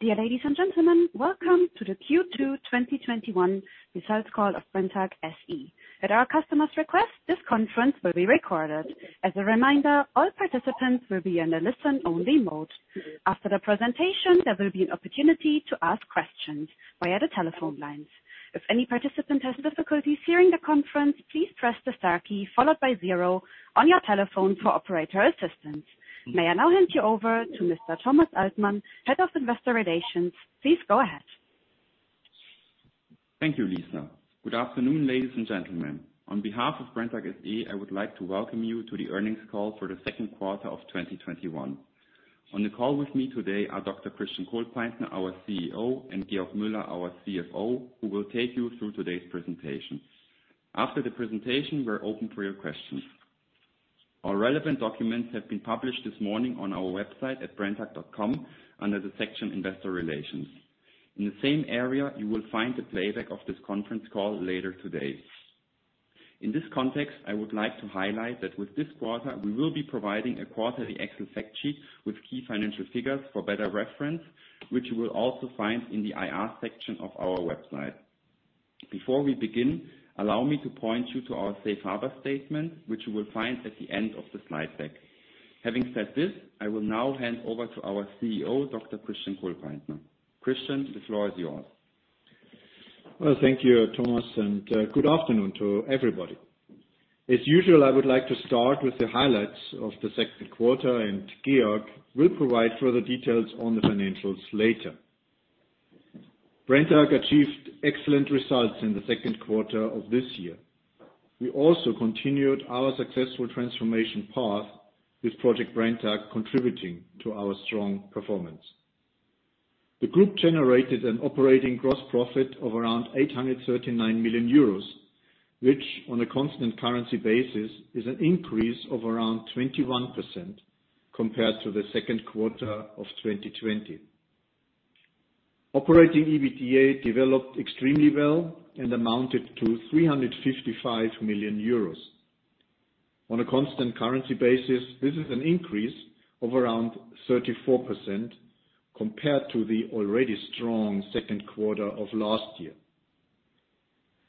Dear ladies and gentlemen, welcome to the Q2 2021 results call of Brenntag SE. At our customer's request, this conference will be recorded. As a reminder, all participants will be in a listen-only mode. After the presentation, there will be an opportunity to ask questions via the telephone lines. If any participant has difficulties hearing the conference, please press the star key followed by zero on your telephone for operator assistance. May I now hand you over to Mr. Thomas Altmann, Head of Investor Relations. Please go ahead. Thank you, Lisa. Good afternoon, ladies and gentlemen. On behalf of Brenntag SE, I would like to welcome you to the earnings call for the second quarter of 2021. On the call with me today are Dr. Christian Kohlpaintner, our CEO, and Georg Müller, our CFO, who will take you through today's presentation. After the presentation, we are open for your questions. All relevant documents have been published this morning on our website at brenntag.com under the section investor relations. In the same area, you will find the playback of this conference call later today. In this context, I would like to highlight that with this quarter, we will be providing a quarterly Excel fact sheet with key financial figures for better reference, which you will also find in the IR section of our website. Before we begin, allow me to point you to our safe harbor statement, which you will find at the end of the slide deck. Having said this, I will now hand over to our CEO, Dr. Christian Kohlpaintner. Christian, the floor is yours. Well, thank you, Thomas, and good afternoon to everybody. As usual, I would like to start with the highlights of the second quarter. Georg will provide further details on the financials later. Brenntag achieved excellent results in the second quarter of this year. We also continued our successful transformation path with Project Brenntag, contributing to our strong performance. The group generated an operating gross profit of around 839 million euros, which, on a constant currency basis, is an increase of around 21% compared to the second quarter of 2020. Operating EBITDA developed extremely well and amounted to 355 million euros. On a constant currency basis, this is an increase of around 34% compared to the already strong second quarter of last year.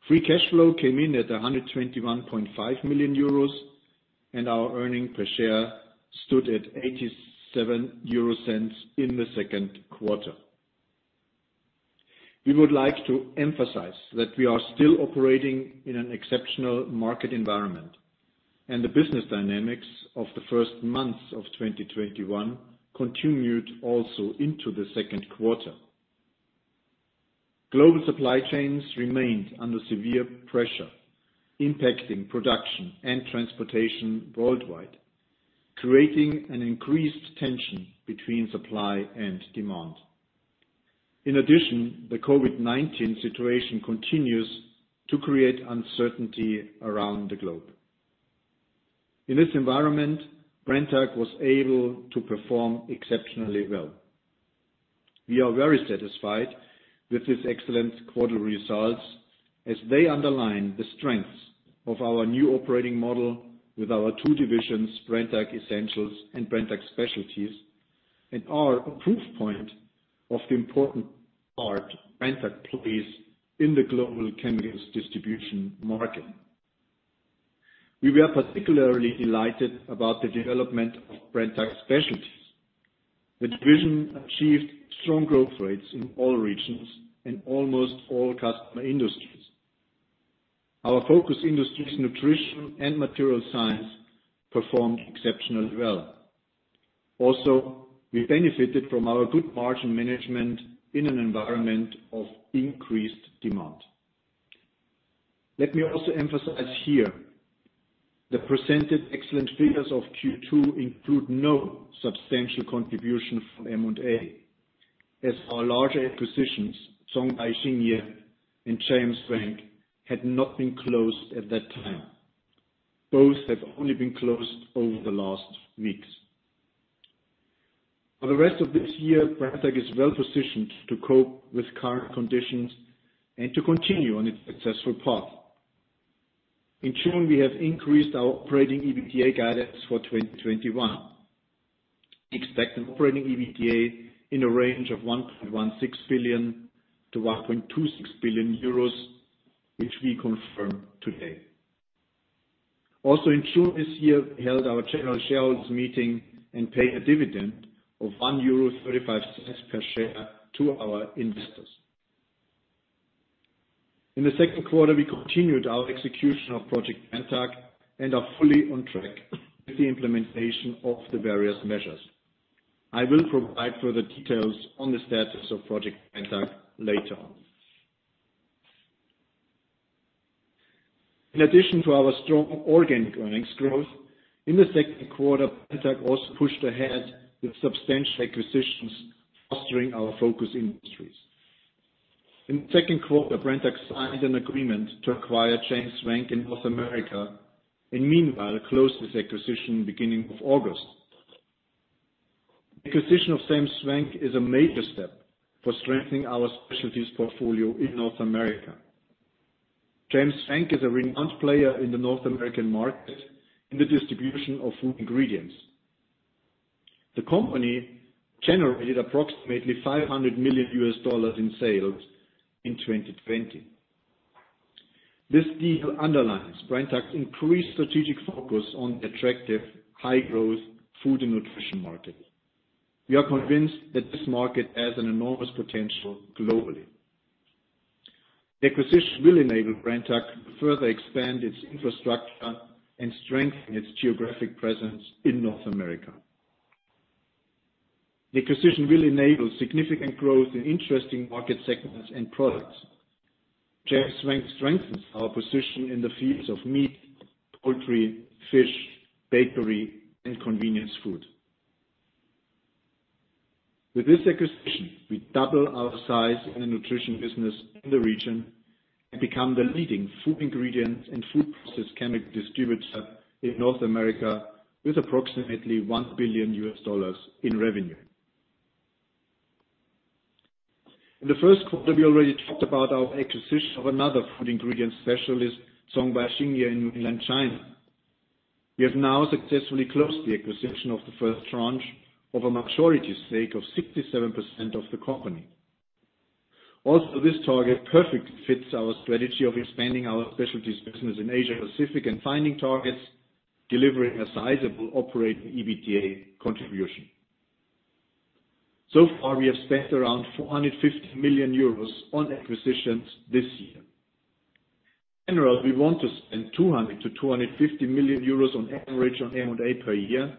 Free cash flow came in at 121.5 million euros and our earnings per share stood at 0.87 in the second quarter. We would like to emphasize that we are still operating in an exceptional market environment, and the business dynamics of the first months of 2021 continued also into the second quarter. Global supply chains remained under severe pressure, impacting production and transportation worldwide, creating an increased tension between supply and demand. In addition, the COVID-19 situation continues to create uncertainty around the globe. In this environment, Brenntag was able to perform exceptionally well. We are very satisfied with these excellent quarter results as they underline the strengths of our new operating model with our two divisions, Brenntag Essentials and Brenntag Specialties, and are a proof point of the important part Brenntag plays in the global chemical distribution market. We were particularly delighted about the development of Brenntag Specialties. The division achieved strong growth rates in all regions and almost all customer industries. Our focus industries, nutrition and material science, performed exceptionally well. Also, we benefited from our good margin management in an environment of increased demand. Let me also emphasize here the presented excellent figures of Q2 include no substantial contribution from M&A, as our larger acquisitions, Zhongbai Xingye and JM Swank, had not been closed at that time. Both have only been closed over the last weeks. For the rest of this year, Brenntag is well-positioned to cope with current conditions and to continue on its successful path. In June, we have increased our operating EBITDA guidance for 2021. Expect an operating EBITDA in a range of 1.16 billion-1.26 billion euros, which we confirm today. Also in June this year, we held our general shareholders meeting and paid a dividend of 1.35 euro per share to our investors. In the second quarter, we continued our execution of Project Brenntag and are fully on track with the implementation of the various measures. I will provide further details on the status of Project Brenntag later on. In addition to our strong organic earnings growth, in the second quarter, Brenntag also pushed ahead with substantial acquisitions, fostering our focus industries. In the second quarter, Brenntag signed an agreement to acquire JM Swank in North America and meanwhile closed this acquisition beginning of August. Acquisition of JM Swank is a major step for strengthening our Specialties portfolio in North America. JM Swank is a renowned player in the North American market in the distribution of food ingredients. The company generated approximately $500 million in sales in 2020. This deal underlines Brenntag's increased strategic focus on attractive high-growth food and Nutrition markets. We are convinced that this market has an enormous potential globally. The acquisition will enable Brenntag to further expand its infrastructure and strengthen its geographic presence in North America. The acquisition will enable significant growth in interesting market segments and products. JM Swank strengthens our position in the fields of meat, poultry, fish, bakery, and convenience food. With this acquisition, we double our size in the nutrition in the region and become the leading food ingredient and food process chemical distributor in North America with approximately $1 billion in revenue. In the first quarter, we already talked about our acquisition of another food ingredient specialist, Zhongbai Xingye in mainland China. We have now successfully closed the acquisition of the first tranche of a majority stake of 67% of the company. This target perfectly fits our strategy of expanding our Specialties business in Asia Pacific and finding targets, delivering a sizable operating EBITDA contribution. We have spent around 450 million euros on acquisitions this year. We want to spend 200 million-250 million euros on average on M&A per year.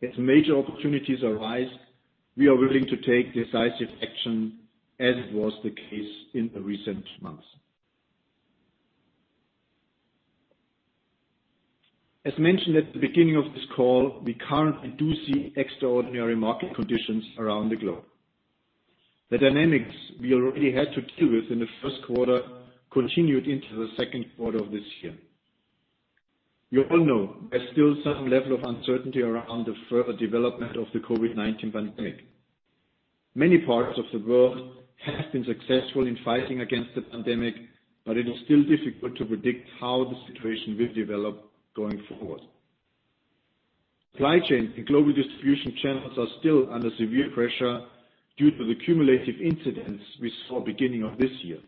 If major opportunities arise, we are willing to take decisive action as was the case in the recent months. As mentioned at the beginning of this call, we currently do see extraordinary market conditions around the globe. The dynamics we already had to deal with in the first quarter continued into the second quarter of this year. You all know there's still some level of uncertainty around the further development of the COVID-19 pandemic. Many parts of the world have been successful in fighting against the pandemic, but it is still difficult to predict how the situation will develop going forward. Supply chain and global distribution channels are still under severe pressure due to the cumulative incidents we saw beginning of this year.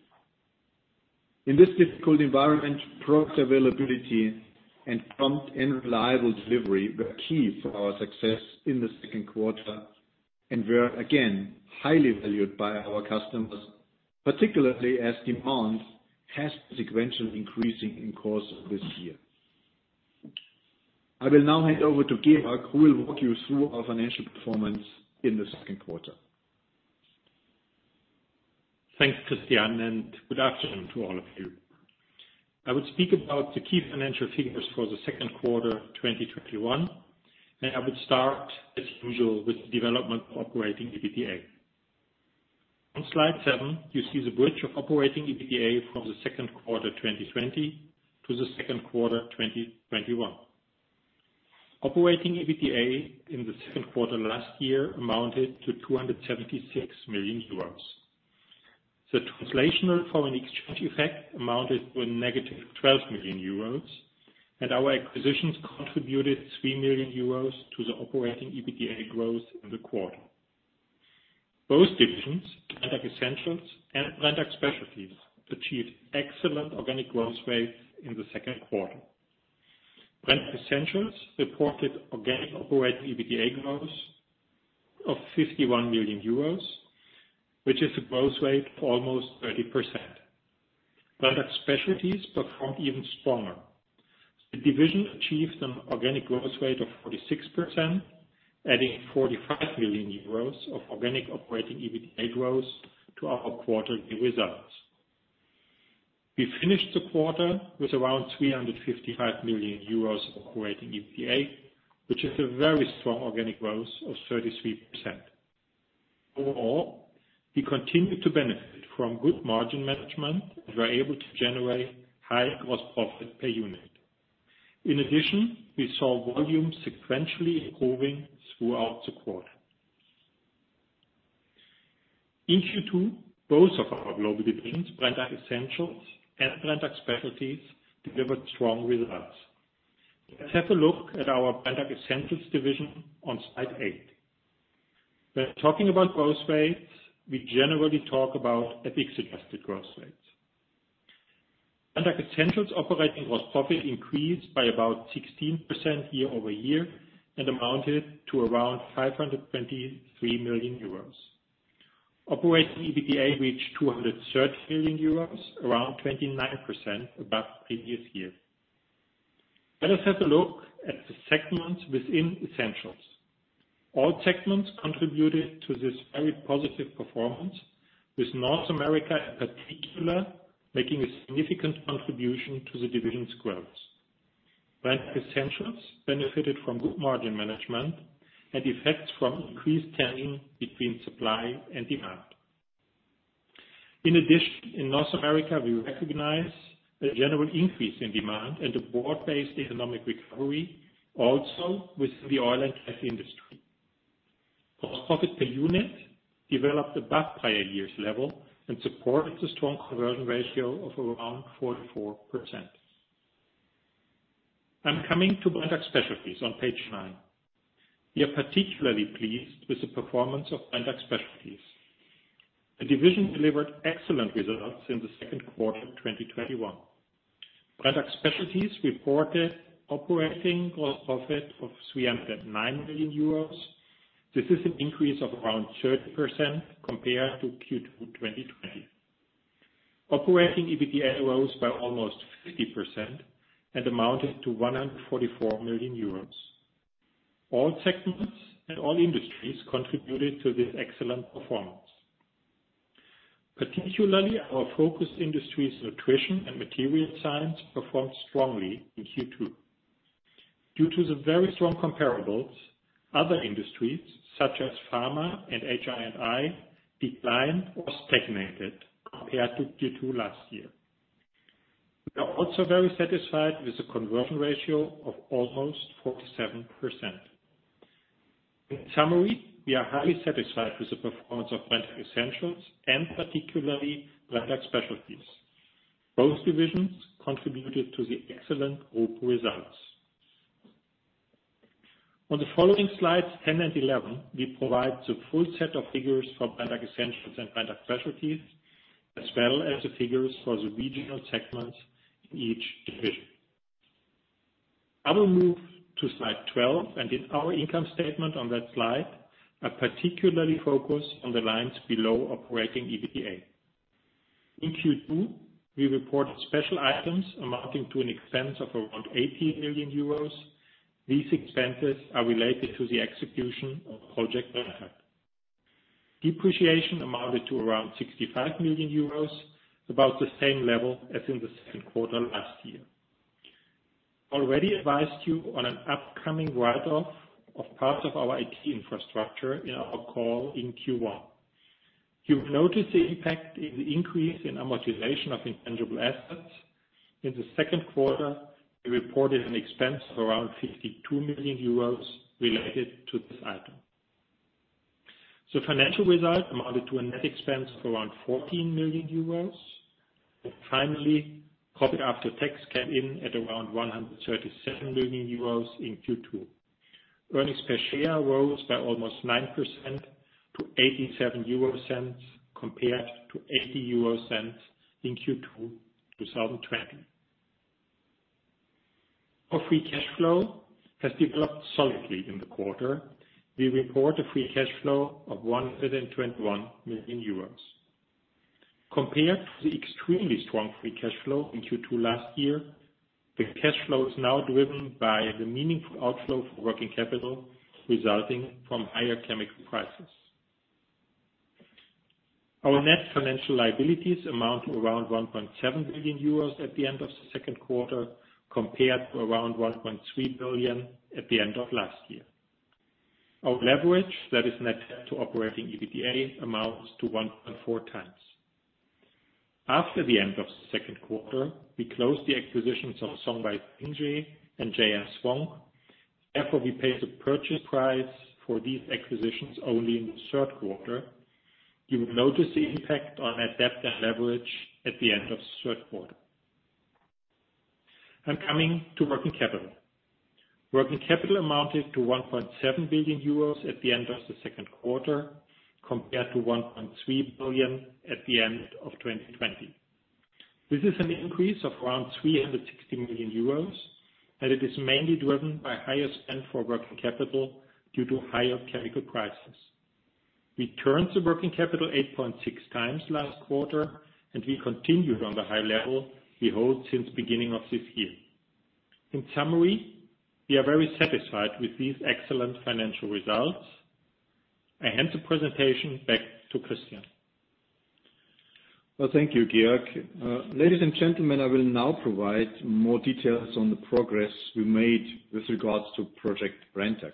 In this difficult environment, product availability and prompt and reliable delivery were key for our success in the second quarter and were again, highly valued by our customers, particularly as demand has been sequentially increasing in course of this year. I will now hand over to Georg, who will walk you through our financial performance in the second quarter. Thanks, Christian, and good afternoon to all of you. I will speak about the key financial figures for the second quarter 2021. I will start as usual with the development of operating EBITDA. On slide seven, you see the bridge of operating EBITDA from the second quarter 2020 to the second quarter 2021. Operating EBITDA in the second quarter last year amounted to 276 million euros. The translational foreign exchange effect amounted with -12 million euros. Our acquisitions contributed 3 million euros to the operating EBITDA growth in the quarter. Both divisions, Brenntag Essentials and Brenntag Specialties, achieved excellent organic growth rates in the second quarter. Brenntag Essentials reported organic operating EBITDA growth of 51 million euros, which is a growth rate of almost 30%. Brenntag Specialties performed even stronger. The division achieved an organic growth rate of 46%, adding 45 million euros of organic operating EBITDA growth to our quarterly results. We finished the quarter with around EUR 355 million of operating EBITDA, which is a very strong organic growth of 33%. Overall, we continue to benefit from good margin management and were able to generate high gross profit per unit. In addition, we saw volume sequentially improving throughout the quarter. In Q2, both of our global divisions, Brenntag Essentials and Brenntag Specialties, delivered strong results. Let's have a look at our Brenntag Essentials division on slide eight. When talking about growth rates, we generally talk about EBITDA-adjusted growth rates. Brenntag Essentials operating gross profit increased by about 16% year-over-year and amounted to around 523 million euros. Operating EBITDA reached 230 million euros, around 29% above previous year. Let us have a look at the segments within Brenntag Essentials. All segments contributed to this very positive performance with North America in particular making a significant contribution to the division's growth. Brenntag Essentials benefited from good margin management and effects from increased tension between supply and demand. In North America, we recognize a general increase in demand and a broad-based economic recovery also within the oil and gas industry. Gross profit per unit developed above prior year's level and supported the strong conversion ratio of around 44%. I'm coming to Brenntag Specialties on page nine. We are particularly pleased with the performance of Brenntag Specialties. The division delivered excellent results in the second quarter of 2021. Brenntag Specialties reported operating gross profit of 309 million euros. This is an increase of around 30% compared to Q2 2020. Operating EBITDA rose by almost 50% and amounted to 144 million euros. All segments and all industries contributed to this excellent performance. Particularly our focus industries, nutrition and material science, performed strongly in Q2. Due to the very strong comparables, other industries such as Pharma and HI&I declined or stagnated compared to Q2 last year. We are also very satisfied with the conversion ratio of almost 47%. In summary, we are highly satisfied with the performance of Brenntag Essentials and particularly Brenntag Specialties. Both divisions contributed to the excellent group results. On the following slides, 10 and 11, we provide the full set of figures for Brenntag Essentials and Brenntag Specialties, as well as the figures for the regional segments in each division. I will move to slide 12. In our income statement on that slide, I particularly focus on the lines below operating EBITDA. In Q2, we reported special items amounting to an expense of around EUR 80 million. These expenses are related to the execution of Project Brenntag. Depreciation amounted to 65 million euros, about the same level as in the second quarter last year. Already advised you on an upcoming write-off of parts of our IT infrastructure in our call in Q1. You will notice the impact in the increase in amortization of intangible assets. In the second quarter, we reported an expense of 52 million euros related to this item. Financial result amounted to a net expense of 14 million euros. Finally, profit after tax came in at 137 million euros in Q2. Earnings per share rose by almost 9% to 0.87 compared to 0.80 in Q2 2020. Our free cash flow has developed solidly in the quarter. We report a free cash flow of 121 million euros. Compared to the extremely strong free cash flow in Q2 last year, the cash flow is now driven by the meaningful outflow for working capital resulting from higher chemical prices. Our net financial liabilities amount to around 1.7 billion euros at the end of the second quarter, compared to around 1.3 billion at the end of last year. Our leverage, that is net debt to operating EBITDA, amounts to 1.4x. After the end of the second quarter, we closed the acquisitions of Zhongbai Xingye and JM Swank. We pay the purchase price for these acquisitions only in the third quarter. You will notice the impact on net debt and leverage at the end of the third quarter. I'm coming to working capital. Working capital amounted to 1.7 billion euros at the end of the second quarter, compared to 1.3 billion at the end of 2020. This is an increase of around 360 million euros, and it is mainly driven by higher spend for working capital due to higher chemical prices. We turned the working capital 8.6x last quarter, and we continued on the high level we hold since beginning of this year. In summary, we are very satisfied with these excellent financial results. I hand the presentation back to Christian. Thank you, Georg. Ladies and gentlemen, I will now provide more details on the progress we made with regards to Project Brenntag.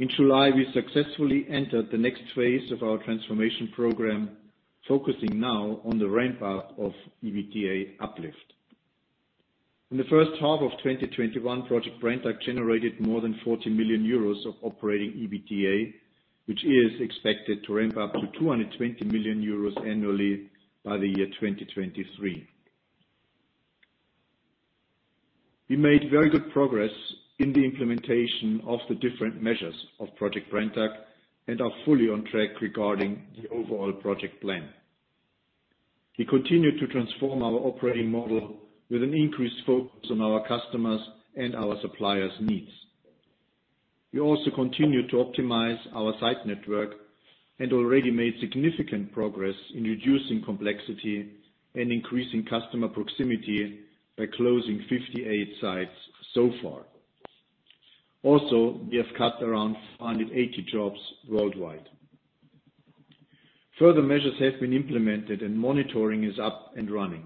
In July, we successfully entered the next phase of our transformation program, focusing now on the ramp up of EBITDA uplift. In the first half of 2021, Project Brenntag generated more than 40 million euros of operating EBITDA, which is expected to ramp up to 220 million euros annually by the year 2023. We made very good progress in the implementation of the different measures of Project Brenntag and are fully on track regarding the overall project plan. We continue to transform our operating model with an increased focus on our customers' and our suppliers' needs. We also continue to optimize our site network and already made significant progress in reducing complexity and increasing customer proximity by closing 58 sites so far. We have cut around 480 jobs worldwide. Further measures have been implemented, and monitoring is up and running.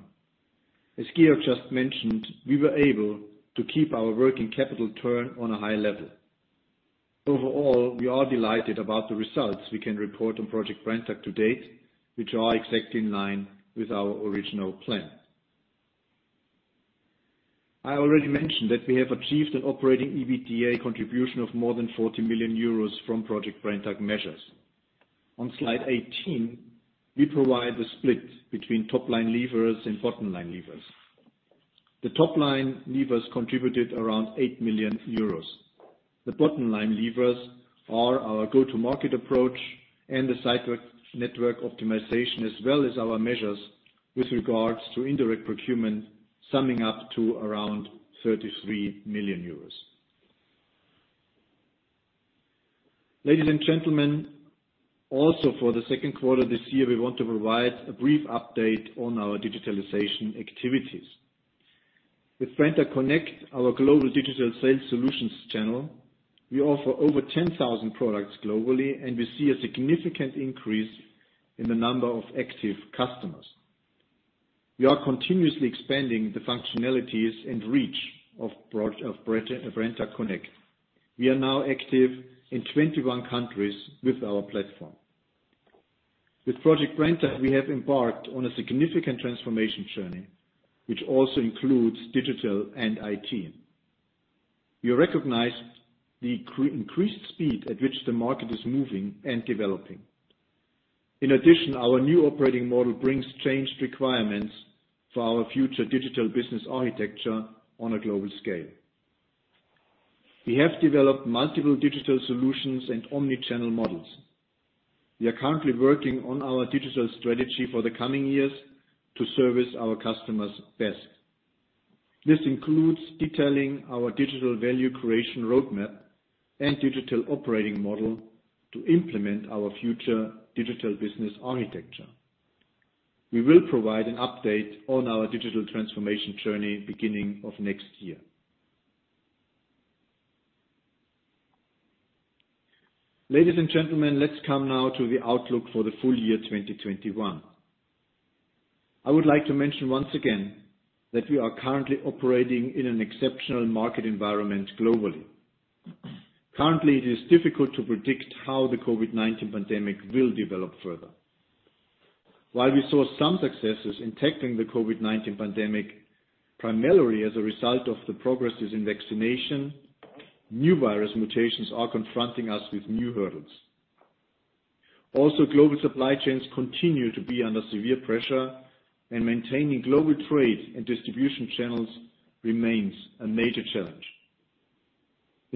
As Georg just mentioned, we were able to keep our working capital turn on a high level. Overall, we are delighted about the results we can report on Project Brenntag to date, which are exactly in line with our original plan. I already mentioned that we have achieved an operating EBITDA contribution of more than 40 million euros from Project Brenntag measures. On slide 18, we provide the split between top-line levers and bottom-line levers. The top-line levers contributed around 8 million euros. The bottom-line levers are our go-to-market approach and the site network optimization, as well as our measures with regards to indirect procurement, summing up to around 33 million euros. Ladies and gentlemen, for the second quarter this year, we want to provide a brief update on our digitalization activities. With Brenntag Connect, our global digital sales solutions channel, we offer over 10,000 products globally, and we see a significant increase in the number of active customers. We are continuously expanding the functionalities and reach of Brenntag Connect. We are now active in 21 countries with our platform. With Project Brenntag, we have embarked on a significant transformation journey, which also includes digital and IT. We recognize the increased speed at which the market is moving and developing. In addition, our new operating model brings changed requirements for our future digital business architecture on a global scale. We have developed multiple digital solutions and omnichannel models. We are currently working on our digital strategy for the coming years to service our customers best. This includes detailing our digital value creation roadmap and digital operating model to implement our future digital business architecture. We will provide an update on our digital transformation journey beginning of next year. Ladies and gentlemen, let's come now to the outlook for the full year 2021. I would like to mention once again that we are currently operating in an exceptional market environment globally. Currently, it is difficult to predict how the COVID-19 pandemic will develop further. While we saw some successes in tackling the COVID-19 pandemic, primarily as a result of the progresses in vaccination, new virus mutations are confronting us with new hurdles. Global supply chains continue to be under severe pressure, and maintaining global trade and distribution channels remains a major challenge.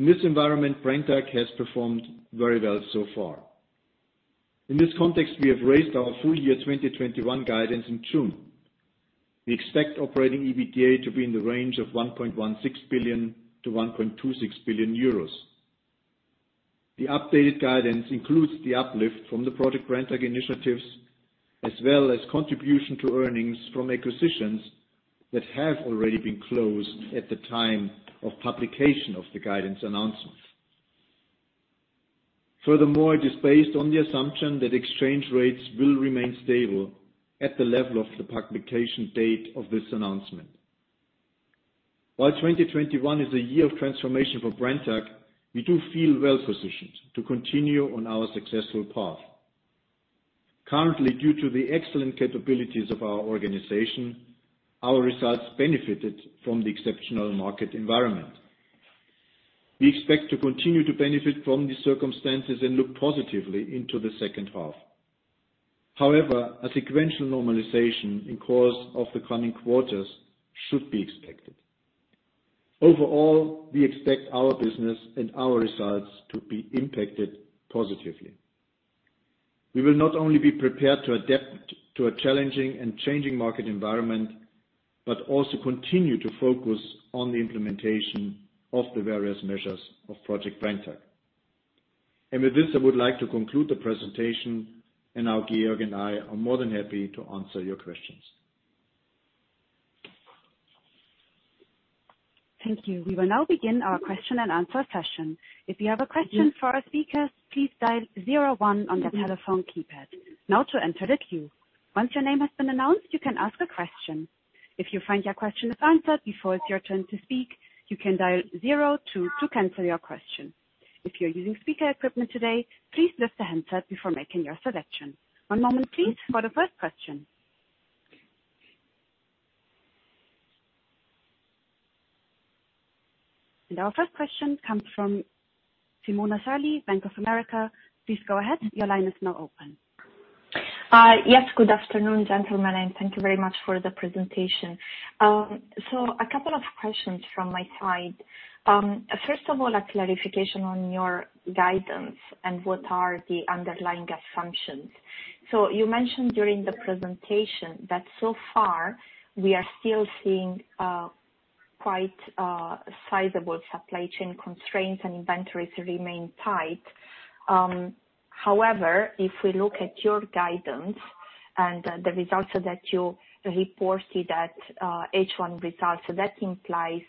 In this environment, Brenntag has performed very well so far. In this context, we have raised our full-year 2021 guidance in June. We expect operating EBITDA to be in the range of 1.16 billion-1.26 billion euros. The updated guidance includes the uplift from the Project Brenntag initiatives, as well as contributions to earnings from acquisitions that have already been closed at the time of publication of the guidance announcement. Furthermore, it is based on the assumption that exchange rates will remain stable at the level of the publication date of this announcement. While 2021 is a year of transformation for Brenntag, we do feel well-positioned to continue on our successful path. Currently, due to the excellent capabilities of our organization, our results benefited from the exceptional market environment. We expect to continue to benefit from these circumstances and look positively into the second half. However, a sequential normalization in course of the coming quarters should be expected. Overall, we expect our business and our results to be impacted positively. We will not only be prepared to adapt to a challenging and changing market environment but also continue to focus on the implementation of the various measures of Project Brenntag. With this, I would like to conclude the presentation, and now Georg and I are more than happy to answer your questions. Thank you. We will now begin our question-and-answer session. If you have a question for the speakers, please dial zero one on the telephone keypad. Now to enter the queue. Once your name has been announced, you can ask the question. If you find your question is answered before it's your turn to speak, you can dial zero two to cancel your question. If you're using speaker equipment today, please listen to the answers before making your selection. One minute, please, for the first question. Our first question comes from Simona Sarli, Bank of America. Please go ahead. Your line is now open. Yes. Good afternoon, gentlemen, and thank you very much for the presentation. A couple of questions from my side. First of all, a clarification on your guidance and what are the underlying assumptions. You mentioned during the presentation that so far we are still seeing quite sizable supply chain constraints, and inventories remain tight. If we look at your guidance and the results that you reported at H1 results, that implies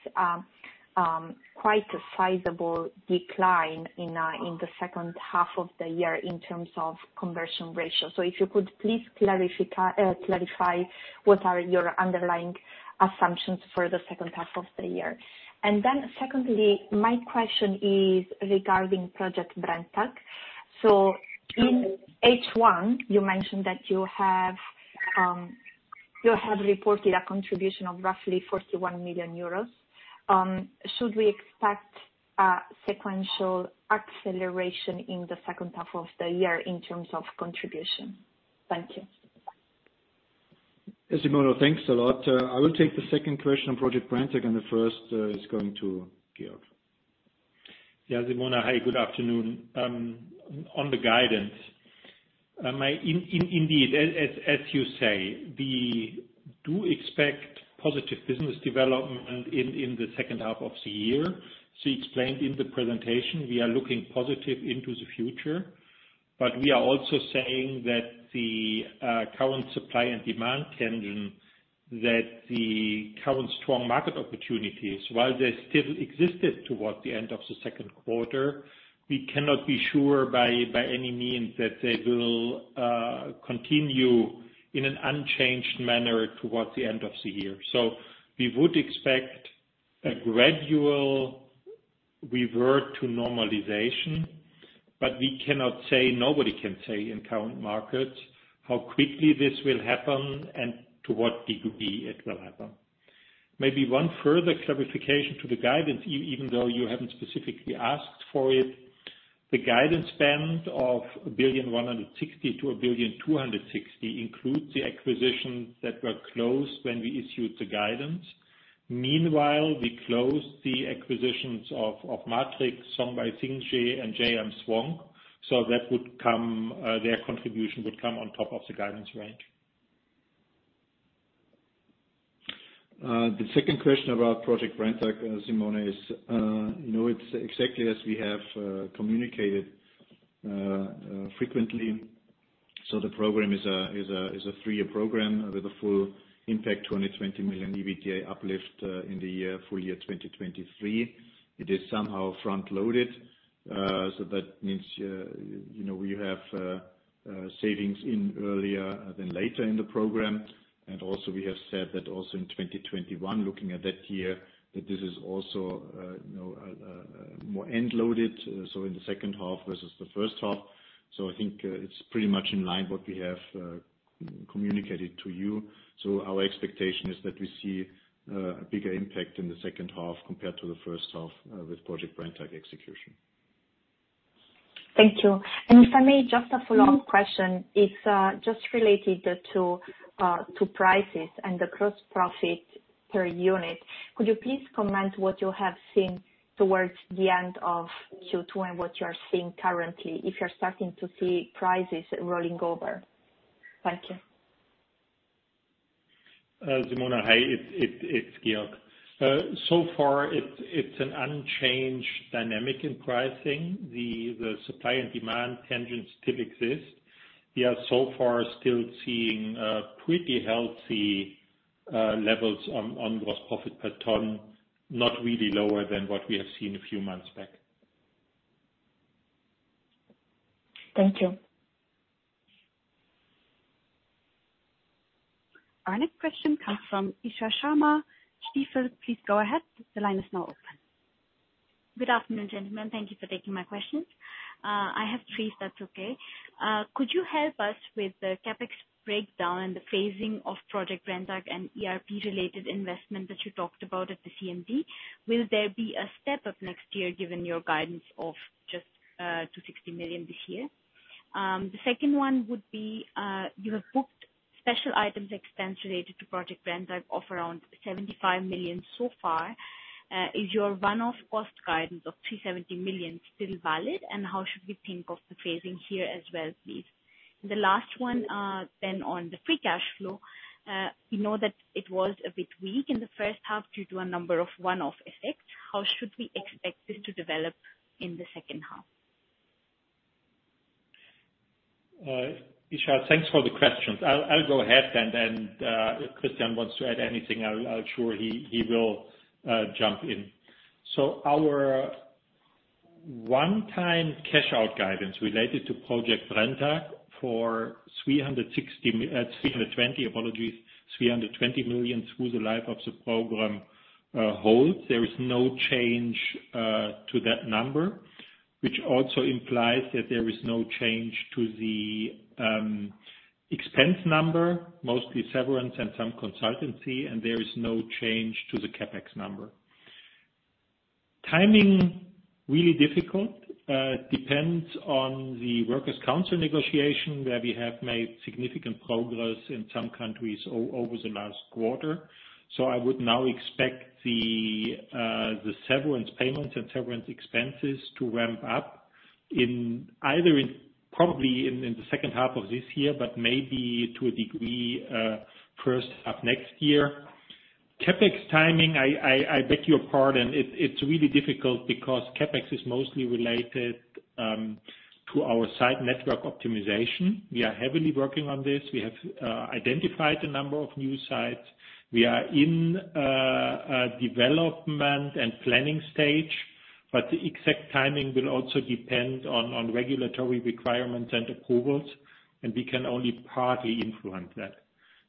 quite a sizable decline in the second half of the year in terms of conversion ratio. If you could please clarify what are your underlying assumptions for the second half of the year. Secondly, my question is regarding Project Brenntag. In H1, you mentioned that you have reported a contribution of roughly 41 million euros. Should we expect a sequential acceleration in the second half of the year in terms of contribution? Thank you. Simona, thanks a lot. I will take the second question on Project Brenntag, and the first is going to Georg. Yeah, Simona, hi, good afternoon. On the guidance. As you say, we do expect positive business development in the second half of the year. C explained in the presentation, we are looking positive into the future, we are also saying that the current supply and demand tension, that the current strong market opportunities, while they still existed towards the end of the second quarter, we cannot be sure by any means that they will continue in an unchanged manner towards the end of the year. We would expect a gradual revert to normalization, we cannot say, nobody can say in current markets how quickly this will happen and to what degree it will happen. Maybe one further clarification to the guidance, even though you haven't specifically asked for it. The guidance spends of 1.16 billion-1.26 billion includes the acquisitions that were closed when we issued the guidance. Meanwhile, we closed the acquisitions of Matrix, Zhongbai Xingye, and JM Swank. Their contribution would come on top of the guidance range. The second question about Project Brenntag, Simona, it's exactly as we have communicated frequently. The program is a three-year program with a full impact 220 million EBITDA uplift in the full year 2023. It is somehow front-loaded. That means we have savings in earlier than later in the program. Also, we have said that also in 2021, looking at that year, that this is also more end-loaded, in the second half versus the first half. I think it's pretty much in line what we have communicated to you. Our expectation is that we see a bigger impact in the second half compared to the first half with Project Brenntag execution. Thank you. If I may, just a follow-up question. It is just related to prices and the gross profit per unit. Could you please comment what you have seen towards the end of Q2 and what you are seeing currently, if you are starting to see prices rolling over? Thank you. Simona, hi, it's Georg. So far, it's an unchanged dynamic in pricing. The supply and demand tensions still exist. We are so far still seeing pretty healthy levels on gross profit per ton, not really lower than what we have seen a few months back. Thank you. Our next question comes from Isha Sharma, Stifel. Please go ahead. The line is now open. Good afternoon, gentlemen. Thank you for taking my questions. I have three, if that's okay. Could you help us with the CapEx breakdown, the phasing of Project Brenntag and ERP-related investment that you talked about at the CMD? Will there be a step-up next year, given your guidance of just 260 million this year? The second one would be, you have booked special items expense related to Project Brenntag of around 75 million so far. Is your one-off cost guidance of 370 million still valid? How should we think of the phasing here as well, please? The last one on the free cash flow. We know that it was a bit weak in the first half due to a number of one-off effects. How should we expect this to develop in the second half? Isha, thanks for the questions. I'll go ahead and, if Christian wants to add anything, I'm sure he will jump in. Our one-time cash-out guidance related to Project Brenntag for 360 million, 320 million, apologies, 320 million through the life of the program holds. There is no change to that number, which also implies that there is no change to the expense number, mostly severance and some consultancy, and there is no change to the CapEx number. Timing, really difficult. Depends on the workers' council negotiation, where we have made significant progress in some countries over the last quarter. I would now expect the severance payments and severance expenses to ramp up probably in the second half of this year, but maybe to a degree, first half next year. CapEx timing, I beg your pardon. It's really difficult because CapEx is mostly related to our site network optimization. We are heavily working on this. We have identified a number of new sites. We are in a development and planning stage. The exact timing will also depend on regulatory requirements and approvals, and we can only partly influence that.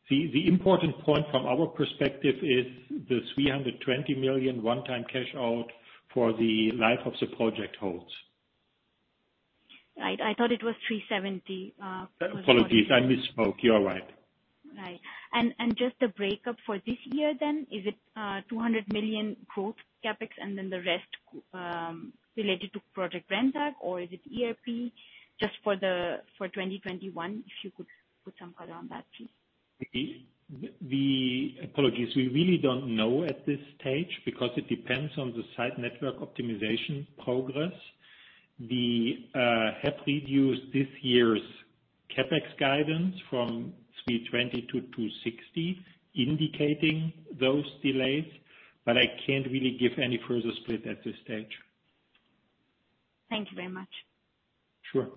The important point from our perspective is the 320 million one-time cash out for the life of the project holds. Right. I thought it was 370 million. Apologies. I misspoke. You are right. Right. Just the breakup for this year then, is it 200 million growth CapEx and then the rest related to Project Brenntag, or is it ERP just for 2021? If you could put some color on that, please. Apologies. We really don't know at this stage because it depends on the site network optimization progress. We have reduced this year's CapEx guidance from 320 million to 260 million, indicating those delays, but I can't really give any further split at this stage. Thank you very much. Sure.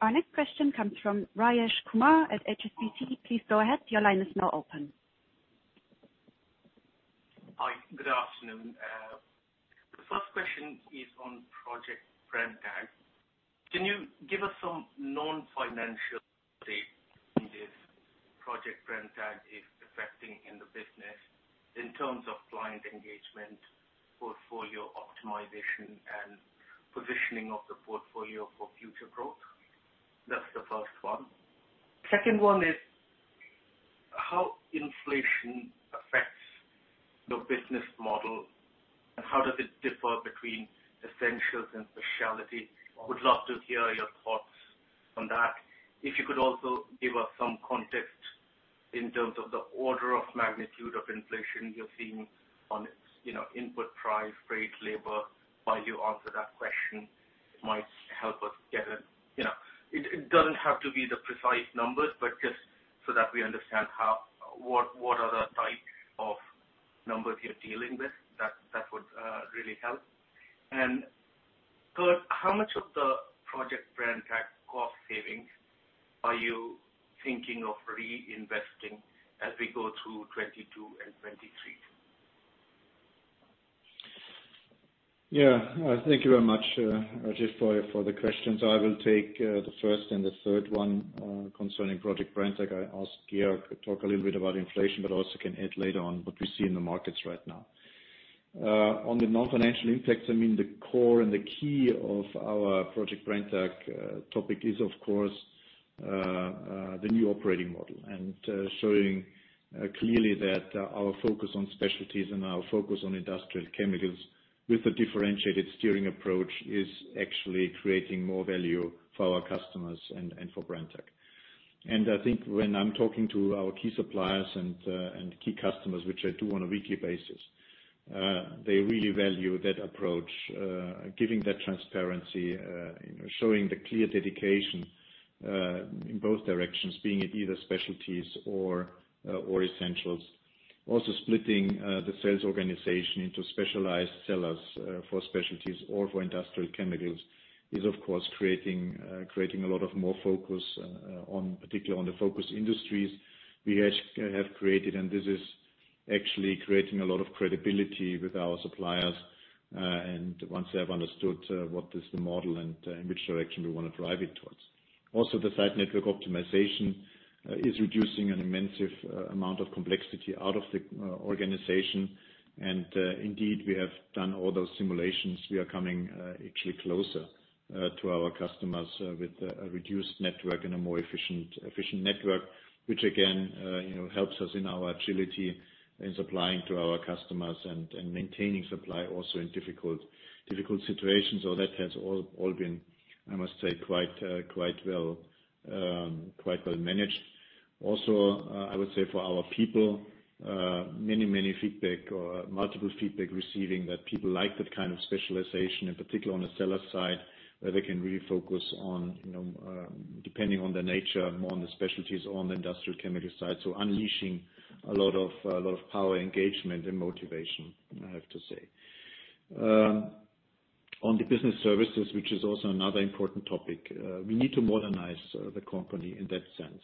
Our next question comes from Rajesh Kumar at HSBC. Please go ahead. Hi. Good afternoon. The first question is on Project Brenntag. Can you give us some non-financial take on this Project Brenntag is affecting in the business in terms of client engagement, portfolio optimization, and positioning of the portfolio for future growth? That's the first one. Second one is how inflation affects the business model, and how does it differ between Essentials and Specialties? Would love to hear your thoughts on that. If you could also give us some context in terms of the order of magnitude of inflation you're seeing on input price, freight, labor, while you answer that question, it might help us get it. It doesn't have to be the precise numbers, but just so that we understand what are the types of numbers you're dealing with, that would really help. Third, how much of the Project Brenntag cost savings are you thinking of reinvesting as we go through 2022 and 2023? Yeah. Thank you very much, Rajesh, for the questions. I will take the first and the third one concerning Project Brenntag. I'll ask Georg to talk a little bit about inflation but also can add later on what we see in the markets right now. On the non-financial impacts, the core and the key of our Project Brenntag topic is, of course, the new operating model and showing clearly that our focus on Specialties and our focus on industrial chemicals with a differentiated steering approach is actually creating more value for our customers and for Brenntag. I think when I'm talking to our key suppliers and key customers, which I do on a weekly basis, they really value that approach, giving that transparency, showing the clear dedication, in both directions, being it either Specialties or Essentials. Splitting the sales organization into specialized sellers for Specialties or for industrial chemicals is, of course, creating a lot of more focus on, particularly on the focus industries we have created. This is actually creating a lot of credibility with our suppliers, and once they have understood what is the model and in which direction we want to drive it towards. The site network optimization is reducing an immense amount of complexity out of the organization. Indeed, we have done all those simulations. We are coming actually closer to our customers with a reduced network and a more efficient network, which again helps us in our agility in supplying to our customers and maintaining supply also in difficult situations. That has all been, I must say, quite well managed. I would say for our people, many feedback or multiple feedback receiving that people like that kind of specialization, in particular on the seller side, where they can really focus on, depending on the nature, more on the Specialties on the industrial chemical side. Unleashing a lot of power, engagement, and motivation, I have to say. On the business services, which is also another important topic, we need to modernize the company in that sense.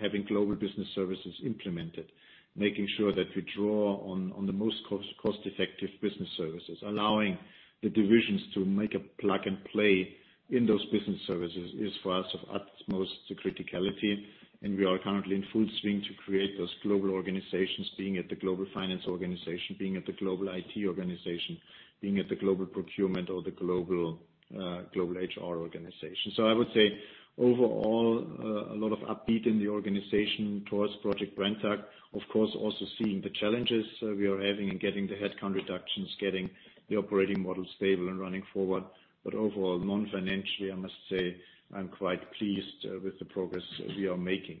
Having global business services implemented, making sure that we draw on the most cost-effective business services, allowing the divisions to make a plug-and-play in those business services is for us of utmost criticality. We are currently in full swing to create those global organizations, being it the global finance organization, being it the global IT organization, being it the global procurement or the global HR organization. I would say overall, a lot of upbeat in the organization towards Project Brenntag. Of course, also seeing the challenges we are having in getting the headcount reductions, getting the operating model stable and running forward. Overall, non-financially, I must say, I'm quite pleased with the progress we are making.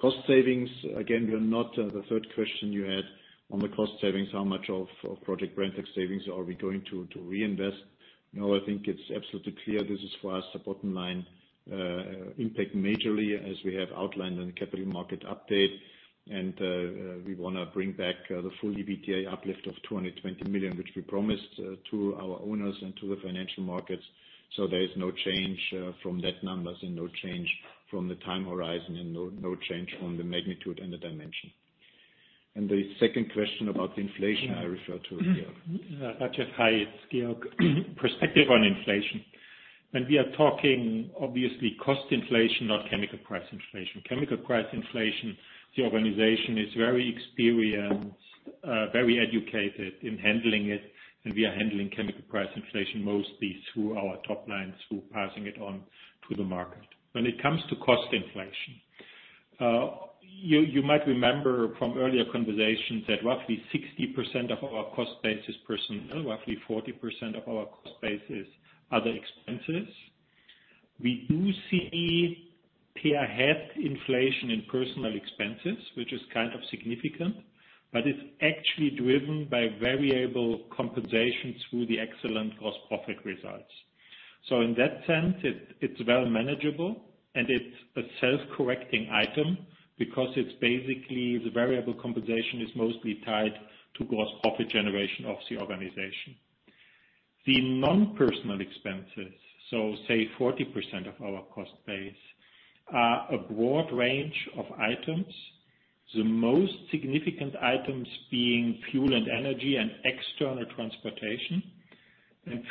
Cost savings, again, the third question you had on the cost savings, how much of Project Brenntag savings are we going to reinvest? I think it's absolutely clear this is for us a bottom line impact majorly as we have outlined on the capital market update. We want to bring back the full EBITDA uplift of 220 million, which we promised to our owners and to the financial markets. There is no change from that numbers and no change from the time horizon and no change from the magnitude and the dimension. The second question about the inflation, I refer to Georg. Rajesh, hi. It's Georg. Perspective on inflation. When we are talking, obviously, cost inflation, not chemical price inflation. Chemical price inflation, the organization is very experienced, very educated in handling it, and we are handling chemical price inflation mostly through our top line, through passing it on to the market. When it comes to cost inflation, you might remember from earlier conversations that roughly 60% of our cost base is personnel, roughly 40% of our cost base is other expenses. We do see per head inflation in personnel expenses, which is kind of significant, but it's actually driven by variable compensation through the excellent gross profit results. In that sense, it's well manageable and it's a self-correcting item because it's basically, the variable compensation is mostly tied to gross profit generation of the organization. The non-personnel expenses, so say 40% of our cost base, are a broad range of items. The most significant items being fuel and energy and external transportation.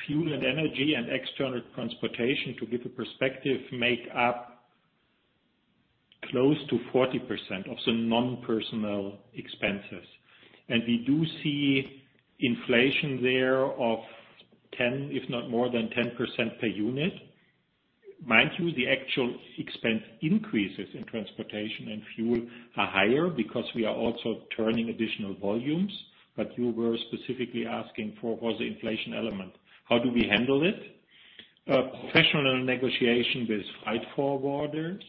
Fuel and energy and external transportation, to give a perspective, make up close to 40% of the non-personnel expenses. We do see inflation there of 10, if not more than 10% per unit. Mind you, the actual expense increases in transportation and fuel are higher because we are also turning additional volumes, but you were specifically asking for what's the inflation element. How do we handle it? Professional negotiation with freight forwarders,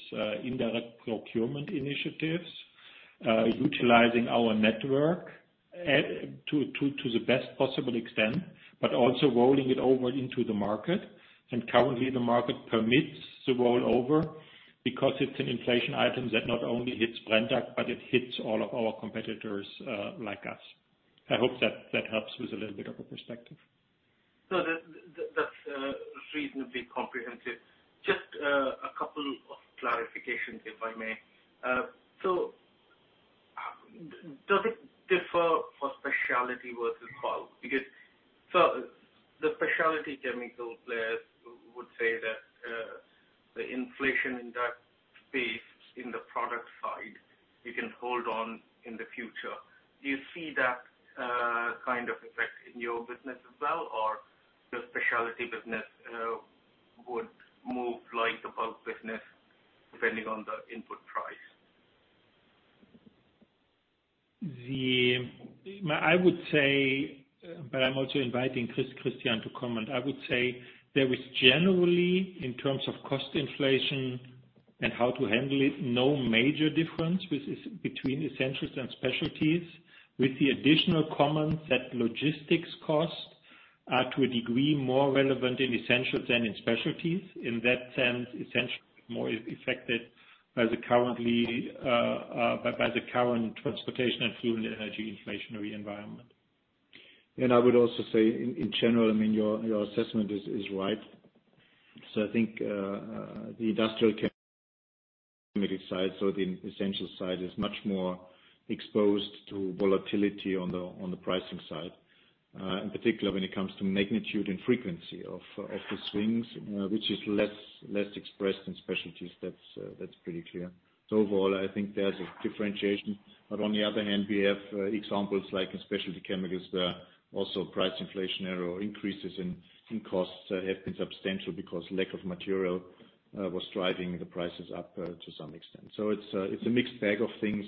indirect procurement initiatives, utilizing our network to the best possible extent, but also rolling it over into the market. Currently, the market permits the roll-over because it's an inflation item that not only hits Brenntag, but it hits all of our competitors like us. I hope that helps with a little bit of a perspective. That's reasonably comprehensive. Just a couple of clarifications, if I may. Does it differ for specialty versus bulk? The specialty chemical players would say that the inflation in that space in the product side, you can hold on in the future. Do you see that kind of effect in your business as well, or the specialty business would move like the bulk business depending on the input price? I would say, but I am also inviting Christian to comment. I would say there is generally, in terms of cost inflation and how to handle it, no major difference between Essentials and Specialties, with the additional comment that logistics costs are, to a degree, more relevant in Essentials than in Specialties. In that sense, essentially more is affected by the current transportation and fuel and energy inflationary environment. I would also say in general, your assessment is right. I think the industrial side, so the Brenntag Essentials side, is much more exposed to volatility on the pricing side. In particular, when it comes to magnitude and frequency of the swings, which is less expressed in Brenntag Specialties. That's pretty clear. Overall, I think there's a differentiation. On the other hand, we have examples like in specialty chemicals, there are also price inflationary or increases in costs that have been substantial because lack of material was driving the prices up to some extent. It's a mixed bag of things,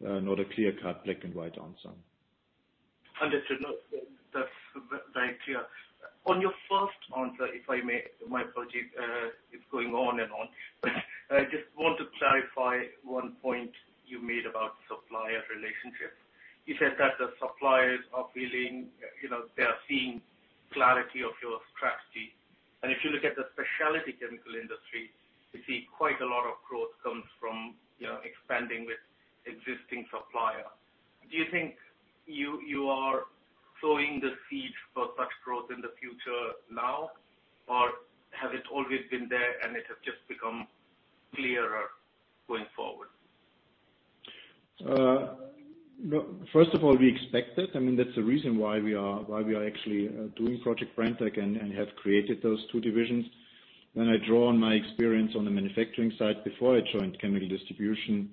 not a clear-cut black and white answer. Understood. That's very clear. On your first answer, if I may, my apology, it's going on and on, but I just want to clarify one point you made about supplier relationships. You said that the suppliers are seeing clarity of your strategy. If you look at the specialty chemical industry, you see quite a lot of growth comes from expanding with existing supplier. Do you think you are sowing the seeds for such growth in the future now, or has it always been there and it has just become clearer going forward? First of all, we expect it. That's the reason why we are actually doing Project Brenntag and have created those two divisions. When I draw on my experience on the manufacturing side before I joined chemical distribution,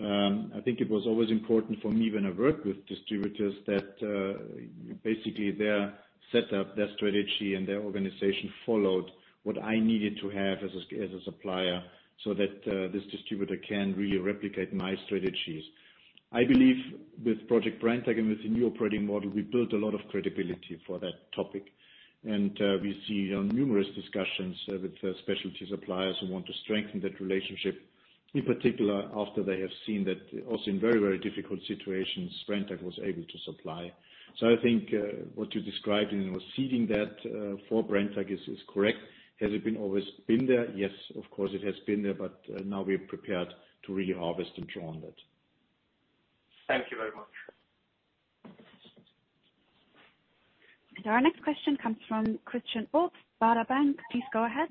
I think it was always important for me when I worked with distributors that basically their setup, their strategy, and their organization followed what I needed to have as a supplier so that this distributor can really replicate my strategies. I believe with Project Brenntag and with the new operating model, we built a lot of credibility for that topic. We see on numerous discussions with specialty suppliers who want to strengthen that relationship, in particular, after they have seen that also in very, very difficult situations, Brenntag was able to supply. I think what you described in was seeding that for Brenntag is correct. Has it always been there? Yes, of course it has been there, but now we're prepared to really harvest and draw on that. Thank you very much. Our next question comes from Christian Obst, Baader Bank. Please go ahead.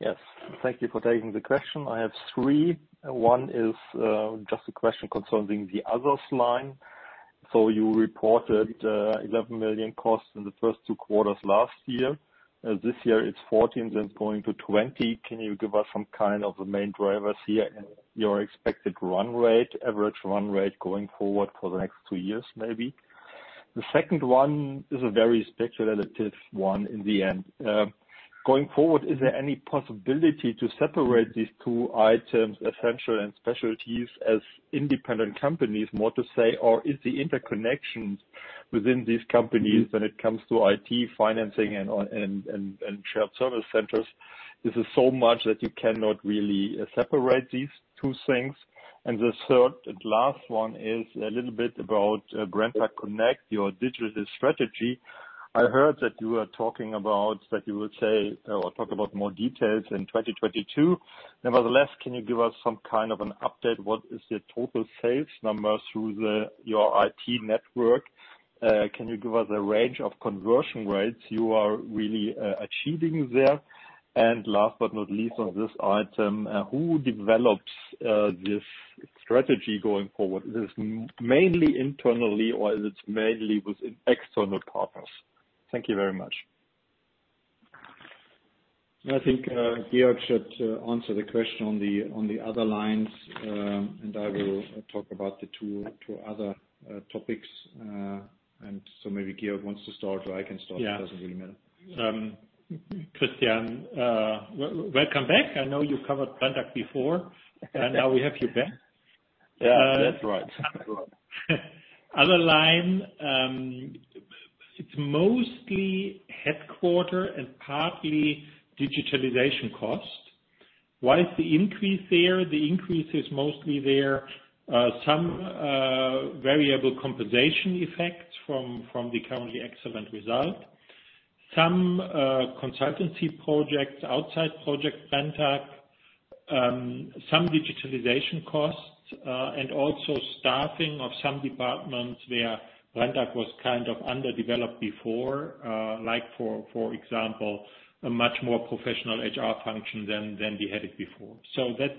Yes. Thank you for taking the question. I have three. One is just a question concerning the others line. You reported 11 million costs in the first two quarters last year. This year it's 14 million, going to 20 million. Can you give us some kind of the main drivers here and your expected average run rate going forward for the next two years, maybe? The second one is a very speculative one in the end. Going forward, is there any possibility to separate these two items, Essentials and Specialties, as independent companies, more to say, or is the interconnections within these companies when it comes to IT, financing, and shared service centers, is so much that you cannot really separate these two things? The third and last one is a little bit about Brenntag Connect, your digital strategy. I heard that you are talking about that you will talk about more details in 2022. Nevertheless, can you give us some kind of an update? What is the total sales number through your IT network? Can you give us a range of conversion rates you are really achieving there? Last but not least on this item, who develops this strategy going forward? Is this mainly internally or is it mainly with external partners? Thank you very much. I think Georg should answer the question on the other lines, and I will talk about the two other topics. Maybe Georg wants to start or I can start. Yeah. It doesn't really matter. Christian, welcome back. I know you've covered Brenntag before, and now we have you back. Yeah, that's right. Other line, it's mostly headquarters and partly digitalization cost. Why is the increase there? The increase is mostly there, some variable compensation effect from the currently excellent results. Some consultancy projects outside Project Brenntag, some digitalization costs, and also staffing of some departments where Brenntag was kind of underdeveloped before, like for example, a much more professional HR function than we had it before. That's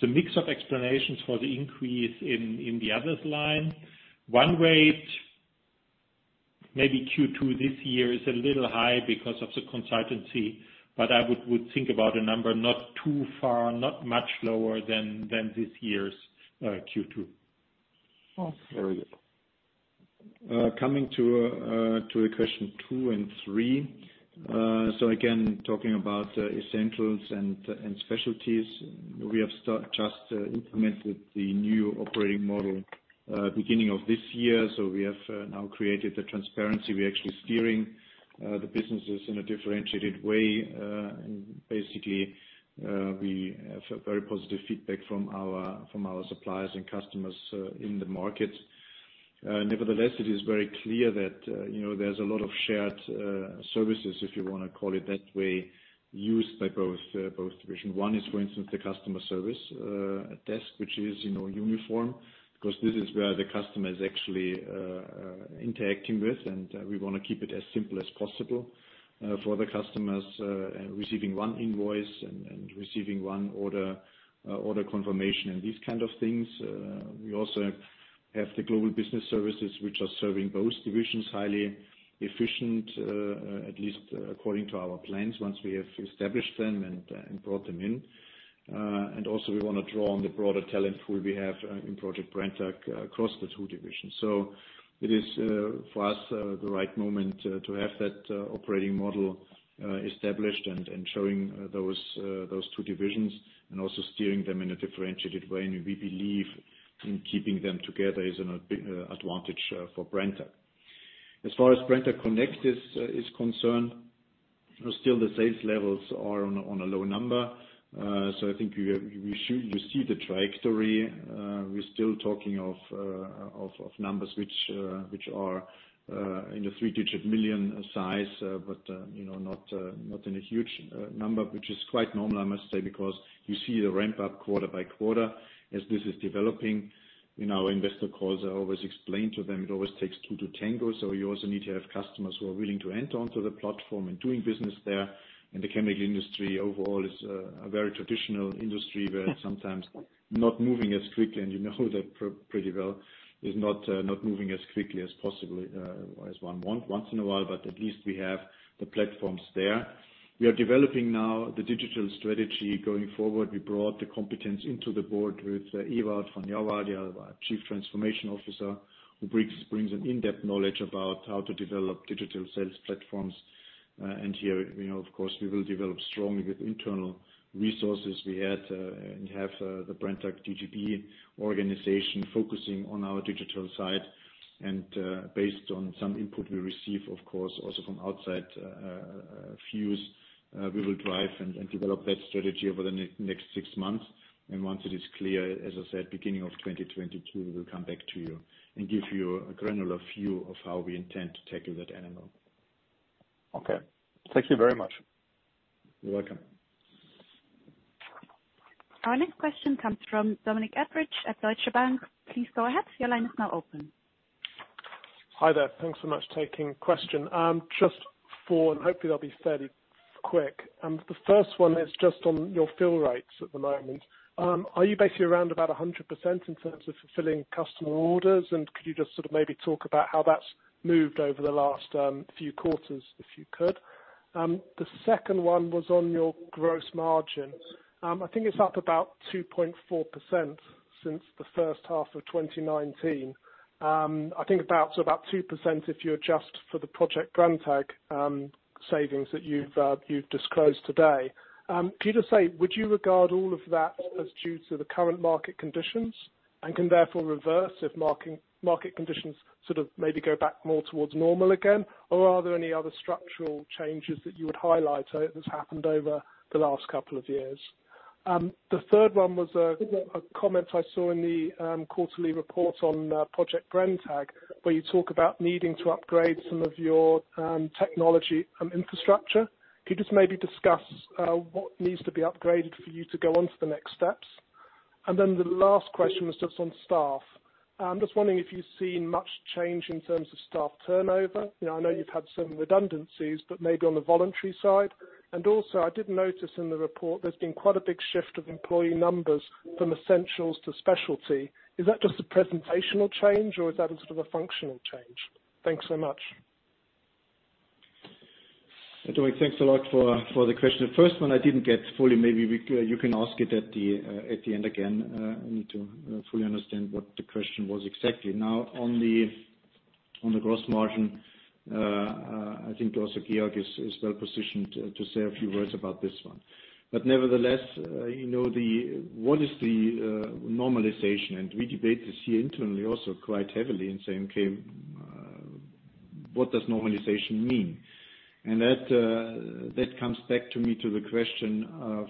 the mix of explanations for the increase in the others line. Run rate, maybe Q2 this year is a little high because of the consultancy, but I would think about a number not too far, not much lower than this year's Q2. Very good. Coming to question two and three. Again, talking about Essentials and Specialties. We have just implemented the new operating model beginning of this year. We have now created the transparency. We're actually steering the businesses in a differentiated way. Basically, we have very positive feedback from our suppliers and customers in the market. Nevertheless, it is very clear that there's a lot of shared services, if you want to call it that way, used by both divisions. One is, for instance, the customer service desk, which is uniform because this is where the customer is actually interacting with, and we want to keep it as simple as possible for the customers receiving one invoice and receiving one order confirmation and these kind of things. We also have the global business services, which are serving both divisions highly efficient, at least according to our plans once we have established them and brought them in. Also, we want to draw on the broader talent pool we have in Project Brenntag across the two divisions. It is for us the right moment to have that operating model established and showing those two divisions and also steering them in a differentiated way. We believe in keeping them together is an advantage for Brenntag. As far as Brenntag Connect is concerned, still the sales levels are on a low number. I think you see the trajectory. We're still talking of numbers which are in the 3-digit million size, but not in a huge number, which is quite normal, I must say, because you see the ramp-up quarter by quarter as this is developing. In our investor calls, I always explain to them it always takes two to tango, so you also need to have customers who are willing to enter onto the platform and doing business there. The chemical industry overall is a very traditional industry where it's sometimes not moving as quickly, and you know that pretty well. It's not moving as quickly as possibly as one wants once in a while, but at least we have the platforms there. We are developing now the digital strategy going forward. We brought the competence into the board with Ewout van Jarwaarde, our Chief Transformation Officer, who brings an in-depth knowledge about how to develop digital sales platforms. Here, of course, we will develop strongly with internal resources. We have the Brenntag DigiB organization focusing on our digital side. Based on some input we receive, of course, also from outside views, we will drive and develop that strategy over the next six months. Once it is clear, as I said, beginning of 2022, we'll come back to you and give you a granular view of how we intend to tackle that animal. Okay. Thank you very much. You're welcome. Our next question comes from Dominic Edridge at Deutsche Bank. Please go ahead. Your line is now open. Hi there. Thanks so much for taking the question. Just four, hopefully I'll be fairly quick. The first one is just on your fill rates at the moment. Are you basically around about 100% in terms of fulfilling customer orders? Could you just maybe talk about how that's moved over the last few quarters, if you could? The second one was on your gross margins. I think it's up about 2.4% since the first half of 2019. I think about 2% if you adjust for the Project Brenntag savings that you've disclosed today. Could you just say, would you regard all of that as due to the current market conditions and can therefore reverse if market conditions maybe go back more towards normal again? Are there any other structural changes that you would highlight that's happened over the last couple of years? The third one was a comment I saw in the quarterly report on Project Brenntag, where you talk about needing to upgrade some of your technology infrastructure. Could you just maybe discuss what needs to be upgraded for you to go on to the next steps? The last question was just on staff. I'm just wondering if you've seen much change in terms of staff turnover. I know you've had some redundancies, but maybe on the voluntary side. I did notice in the report there's been quite a big shift of employee numbers from Essentials to Specialties. Is that just a presentational change or is that a functional change? Thanks so much. Dominic, thanks a lot for the question. The first one I didn't get fully. Maybe you can ask it at the end again. I need to fully understand what the question was exactly. Now on the gross margin, I think also Georg is well-positioned to say a few words about this one. Nevertheless, what is the normalization? We debate this here internally also quite heavily and saying, okay, what does normalization mean? That comes back to me to the question of,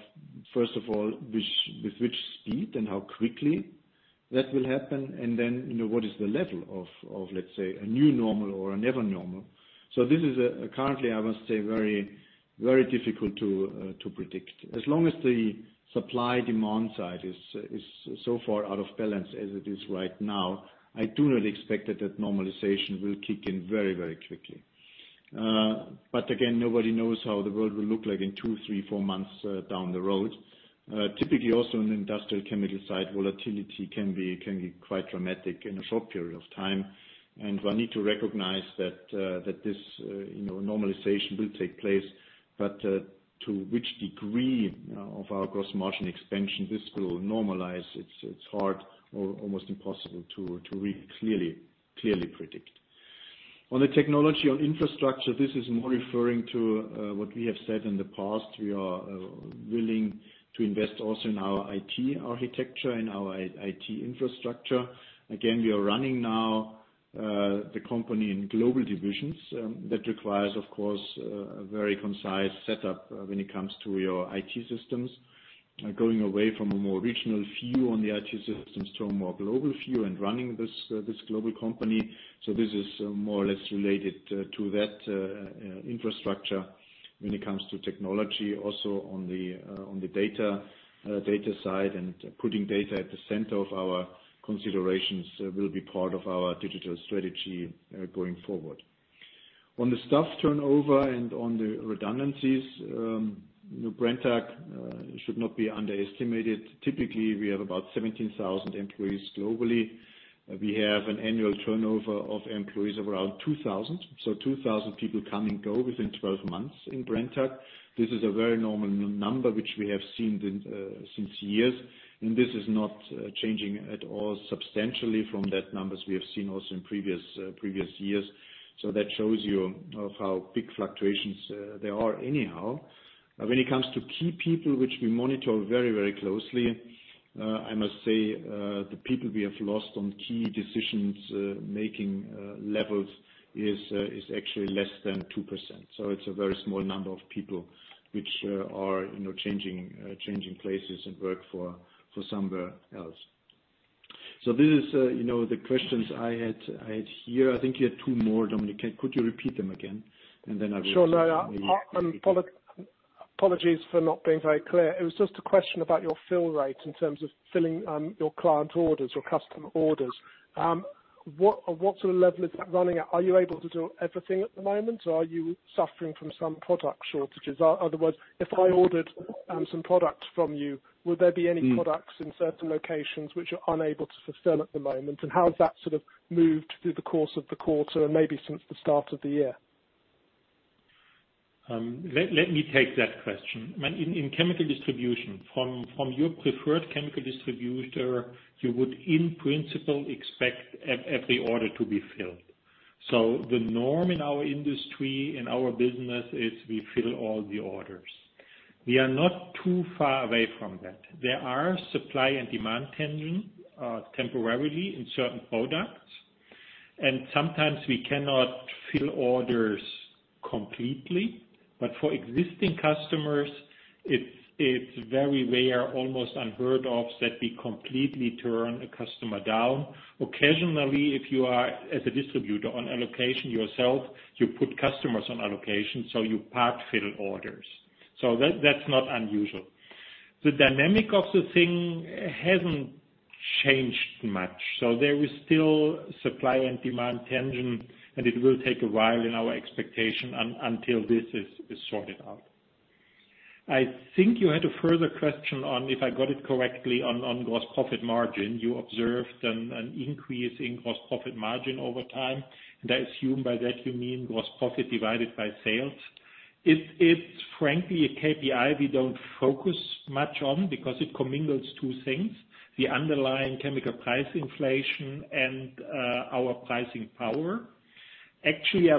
first of all, with which speed and how quickly that will happen, and then, what is the level of, let's say, a new normal or a never normal. This is currently, I must say, very difficult to predict. As long as the supply-demand side is so far out of balance as it is right now, I do not expect that that normalization will kick in very quickly. Again, nobody knows how the world will look like in two, three, four months down the road. Typically, also on the industrial chemical side, volatility can be quite dramatic in a short period of time. One need to recognize that this normalization will take place, but to which degree of our gross margin expansion this will normalize, it's hard or almost impossible to really clearly predict. On the technology, on infrastructure, this is more referring to what we have said in the past. We are willing to invest also in our IT architecture and our IT infrastructure. Again, we are running now the company in global divisions. That requires, of course, a very concise setup when it comes to your IT systems, going away from a more regional view on the IT systems to a more global view and running this global company. Also, on the data side and putting data at the center of our considerations will be part of our digital strategy going forward. On the staff turnover and on the redundancies, Brenntag should not be underestimated. Typically, we have about 17,000 employees globally. We have an annual turnover of employees of around 2,000. 2,000 people come and go within 12 months in Brenntag. This is a very normal number, which we have seen since years, and this is not changing at all substantially from that numbers we have seen also in previous years. That shows you of how big fluctuations there are anyhow. When it comes to key people, which we monitor very closely, I must say, the people we have lost on key decision-making levels is actually less than 2%. It's a very small number of people which are changing places and work for somewhere else. This is the questions I had here. I think you had two more, Dominic. Could you repeat them again? Sure. Apologies for not being very clear. It was just a question about your fill rate in terms of filling your client orders or customer orders. What sort of level is that running at? Are you able to do everything at the moment, or are you suffering from some product shortages? Other words, if I ordered some product from you, would there be any products in certain locations which you're unable to fulfill at the moment? How has that moved through the course of the quarter and maybe since the start of the year? Let me take that question. In chemical distribution, from your preferred chemical distributor, you would, in principle, expect every order to be filled. The norm in our industry, in our business, is we fill all the orders. We are not too far away from that. There are supply and demand tension temporarily in certain products, and sometimes we cannot fill orders completely. For existing customers, it's very rare, almost unheard of, that we completely turn a customer down. Occasionally, if you are, as a distributor, on allocation yourself, you put customers on allocation, so you part-fill orders. That's not unusual. The dynamic of the thing hasn't changed much. There is still supply and demand tension, and it will take a while, in our expectation, until this is sorted out. I think you had a further question on, if I got it correctly, on gross profit margin. You observed an increase in gross profit margin over time, and I assume by that you mean gross profit divided by sales. It's frankly a KPI we don't focus much on because it commingles two things, the underlying chemical price inflation and our pricing power. I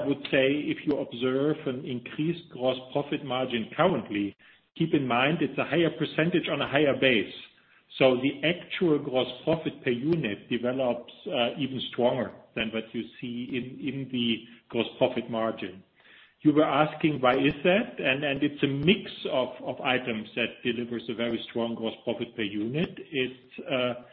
would say if you observe an increased gross profit margin currently, keep in mind it's a higher percentage on a higher base. The actual gross profit per unit develops even stronger than what you see in the gross profit margin. You were asking, why is that? It's a mix of items that delivers a very strong gross profit per unit. It's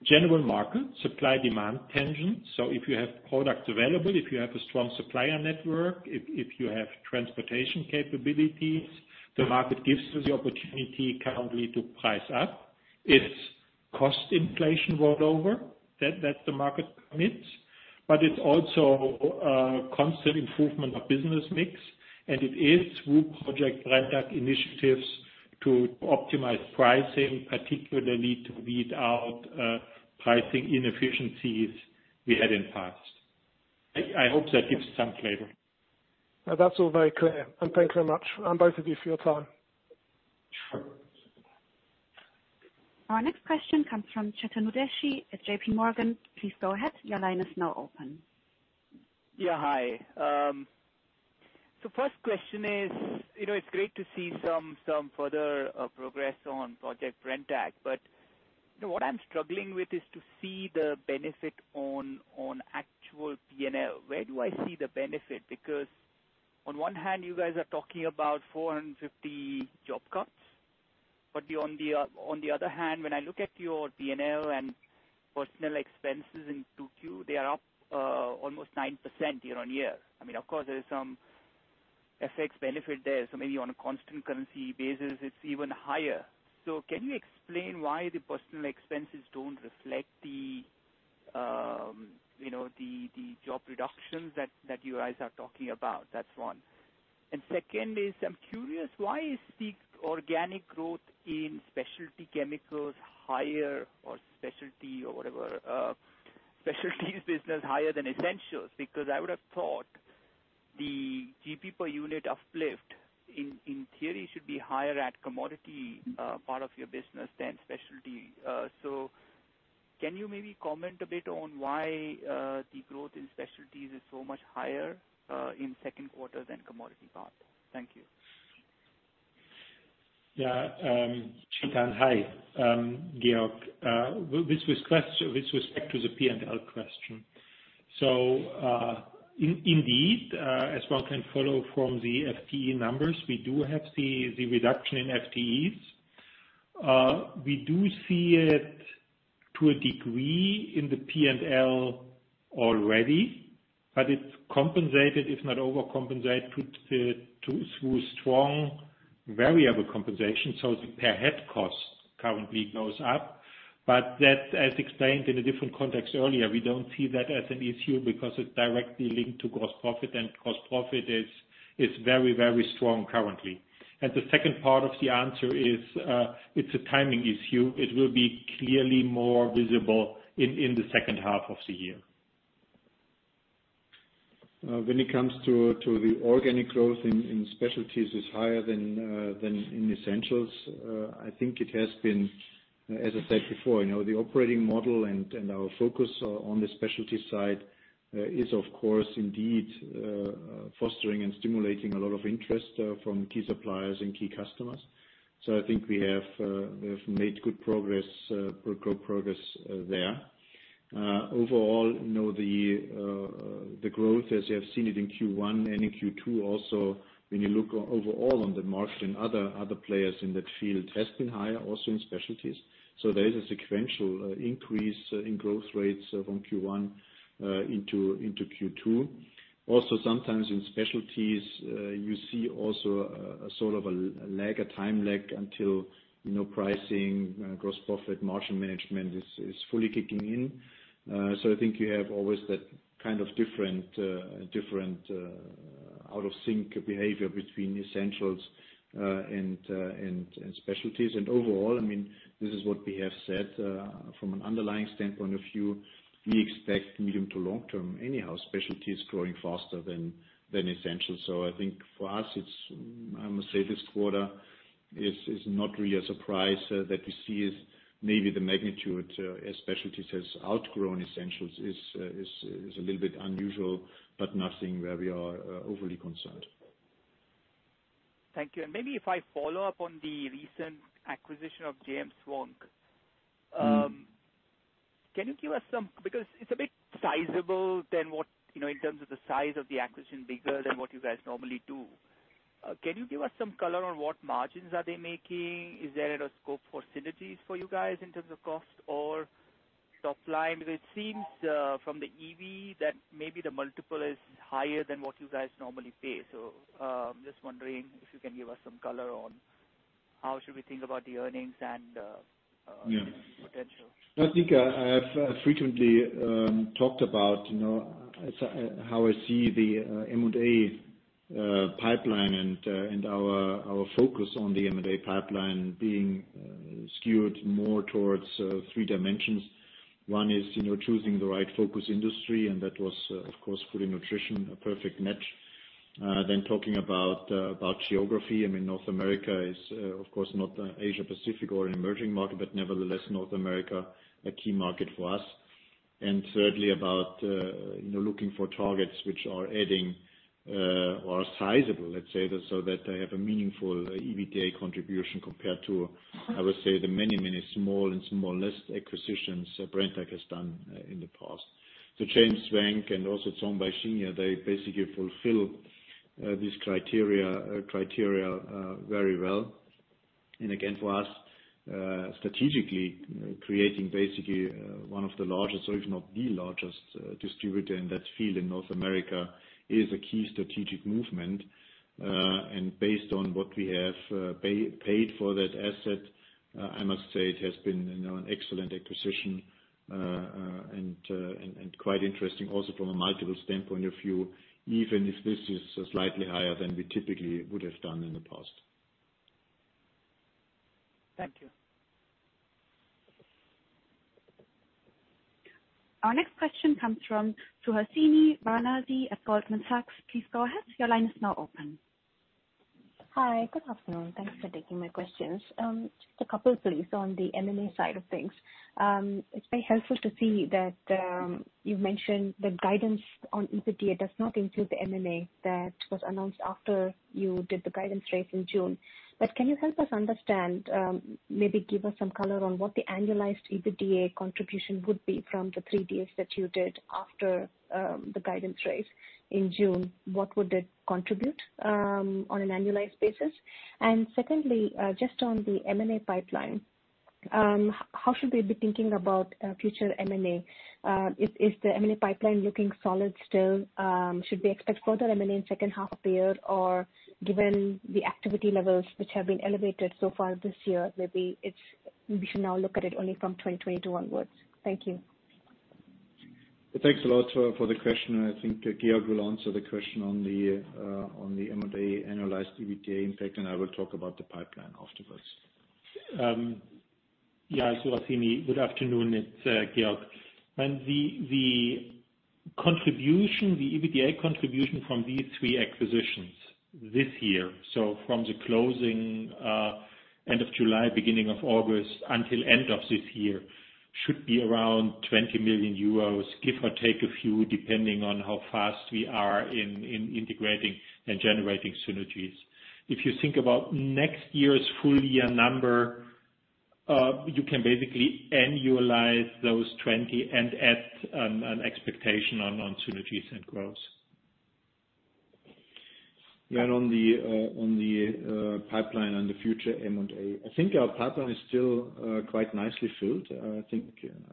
a general market supply-demand tension. If you have product available, if you have a strong supplier network, if you have transportation capabilities, the market gives you the opportunity currently to price up. It's cost inflation rollover that the market permits, but it's also a constant improvement of business mix, and it is through Project Brenntag initiatives to optimize pricing, particularly to weed out pricing inefficiencies we had in the past. I hope that gives some flavor. That's all very clear. Thank you very much, both of you, for your time. Our next question comes from Chetan Udeshi at JPMorgan. Please go ahead. Your line is now open. Yeah, hi. First question is, it's great to see some further progress on Project Brenntag, what I'm struggling with is to see the benefit on actual P&L. Where do I see the benefit? On one hand, you guys are talking about 450 job cuts, on the other hand, when I look at your P&L and personnel expenses in 2Q, they are up almost 9% year-on-year. Of course, there is some FX benefit there, maybe on a constant currency basis it's even higher. Can you explain why the personnel expenses don't reflect the job reductions that you guys are talking about? That's one. Second is, I'm curious, why is the organic growth in specialty chemicals higher or specialty or whatever, Specialties business higher than Essentials? Because I would have thought the GP per unit uplift in theory should be higher at commodity part of your business than specialty. Can you maybe comment a bit on why the growth in Specialties is so much higher in second quarter than commodity part? Thank you. Yeah. Chetan, hi. Georg. With respect to the P&L question. Indeed, as one can follow from the FTE numbers, we do have the reduction in FTEs. We do see it to a degree in the P&L already, but it's compensated, if not overcompensated, through strong variable compensation, so the per-head cost currently goes up. That, as explained in a different context earlier, we don't see that as an issue because it's directly linked to gross profit, and gross profit is very, very strong currently. The second part of the answer is, it's a timing issue. It will be clearly more visible in the second half of the year. When it comes to the organic growth in Specialties is higher than in Essentials, I think it has been, as I said before, the operating model and our focus on the Specialties side is of course, indeed, fostering and stimulating a lot of interest from key suppliers and key customers. I think we have made good progress there. Overall, the growth as you have seen it in Q1 and in Q2 also, when you look overall on the market and other players in that field has been higher also in Specialties. There is a sequential increase in growth rates from Q1 into Q2. Also, sometimes in Specialties, you see also a sort of a time lag until pricing, gross profit margin management is fully kicking in. I think you have always that kind of different out-of-sync behavior between Essentials and Specialties. Overall, this is what we have said, from an underlying standpoint of view, we expect medium to long term anyhow, Specialties growing faster than Essentials. I think for us, I must say this quarter is not really a surprise that we see as maybe the magnitude as Specialties has outgrown Essentials is a little bit unusual, but nothing where we are overly concerned. Thank you. Maybe if I follow up on the recent acquisition of JM Swank. It's a bit sizable than what, in terms of the size of the acquisition, bigger than what you guys normally do. Can you give us some color on what margins are they making? Is there a scope for synergies for you guys in terms of cost or top line, it seems from the EV that maybe the multiple is higher than what you guys normally pay. Just wondering if you can give us some color on how should we think about the earnings- Yeah -potential. I think I have frequently talked about how I see the M&A pipeline and our focus on the M&A pipeline being skewed more towards three dimensions. One is choosing the right focus industry, and that was, of course, food and nutrition, a perfect match. Talking about geography, I mean, North America is, of course, not Asia-Pacific or an emerging market, but nevertheless, North America, a key market for us. Thirdly about looking for targets which are adding or are sizable, let's say, so that they have a meaningful EBITDA contribution compared to, I would say, the many, many small and smallest acquisitions Brenntag has done in the past. JM Swank and also Zhongbai Xingye, they basically fulfill these criteria very well. Again, for us, strategically creating basically one of the largest, if not the largest distributor in that field in North America is a key strategic movement. Based on what we have paid for that asset, I must say it has been an excellent acquisition, and quite interesting also from a multiple standpoint of view, even if this is slightly higher than we typically would have done in the past. Thank you. Our next question comes from Suhasini Varanasi at Goldman Sachs. Please go ahead. Your line is now open. Hi. Good afternoon. Thanks for taking my questions. Just a couple, please, on the M&A side of things. It's very helpful to see that you've mentioned the guidance on EBITDA does not include the M&A that was announced after you did the guidance raise in June. Can you help us understand, maybe give us some color on what the annualized EBITDA contribution would be from the 3 deals that you did after the guidance raise in June? What would it contribute on an annualized basis? Secondly, just on the M&A pipeline, how should we be thinking about future M&A? Is the M&A pipeline looking solid still? Should we expect further M&A in second half year? Given the activity levels which have been elevated so far this year, maybe we should now look at it only from 2021 onwards. Thank you. Thanks a lot for the question. I think Georg will answer the question on the M&A annualized EBITDA impact, I will talk about the pipeline afterwards. Suhasini, good afternoon. It's Georg. The EBITDA contribution from these three acquisitions this year, so from the closing end of July, beginning of August until end of this year, should be around 20 million euros, give or take a few, depending on how fast we are in integrating and generating synergies. If you think about next year's full-year number, you can basically annualize those 20 and add an expectation on synergies and growth. On the pipeline and the future M&A, I think our pipeline is still quite nicely filled. I think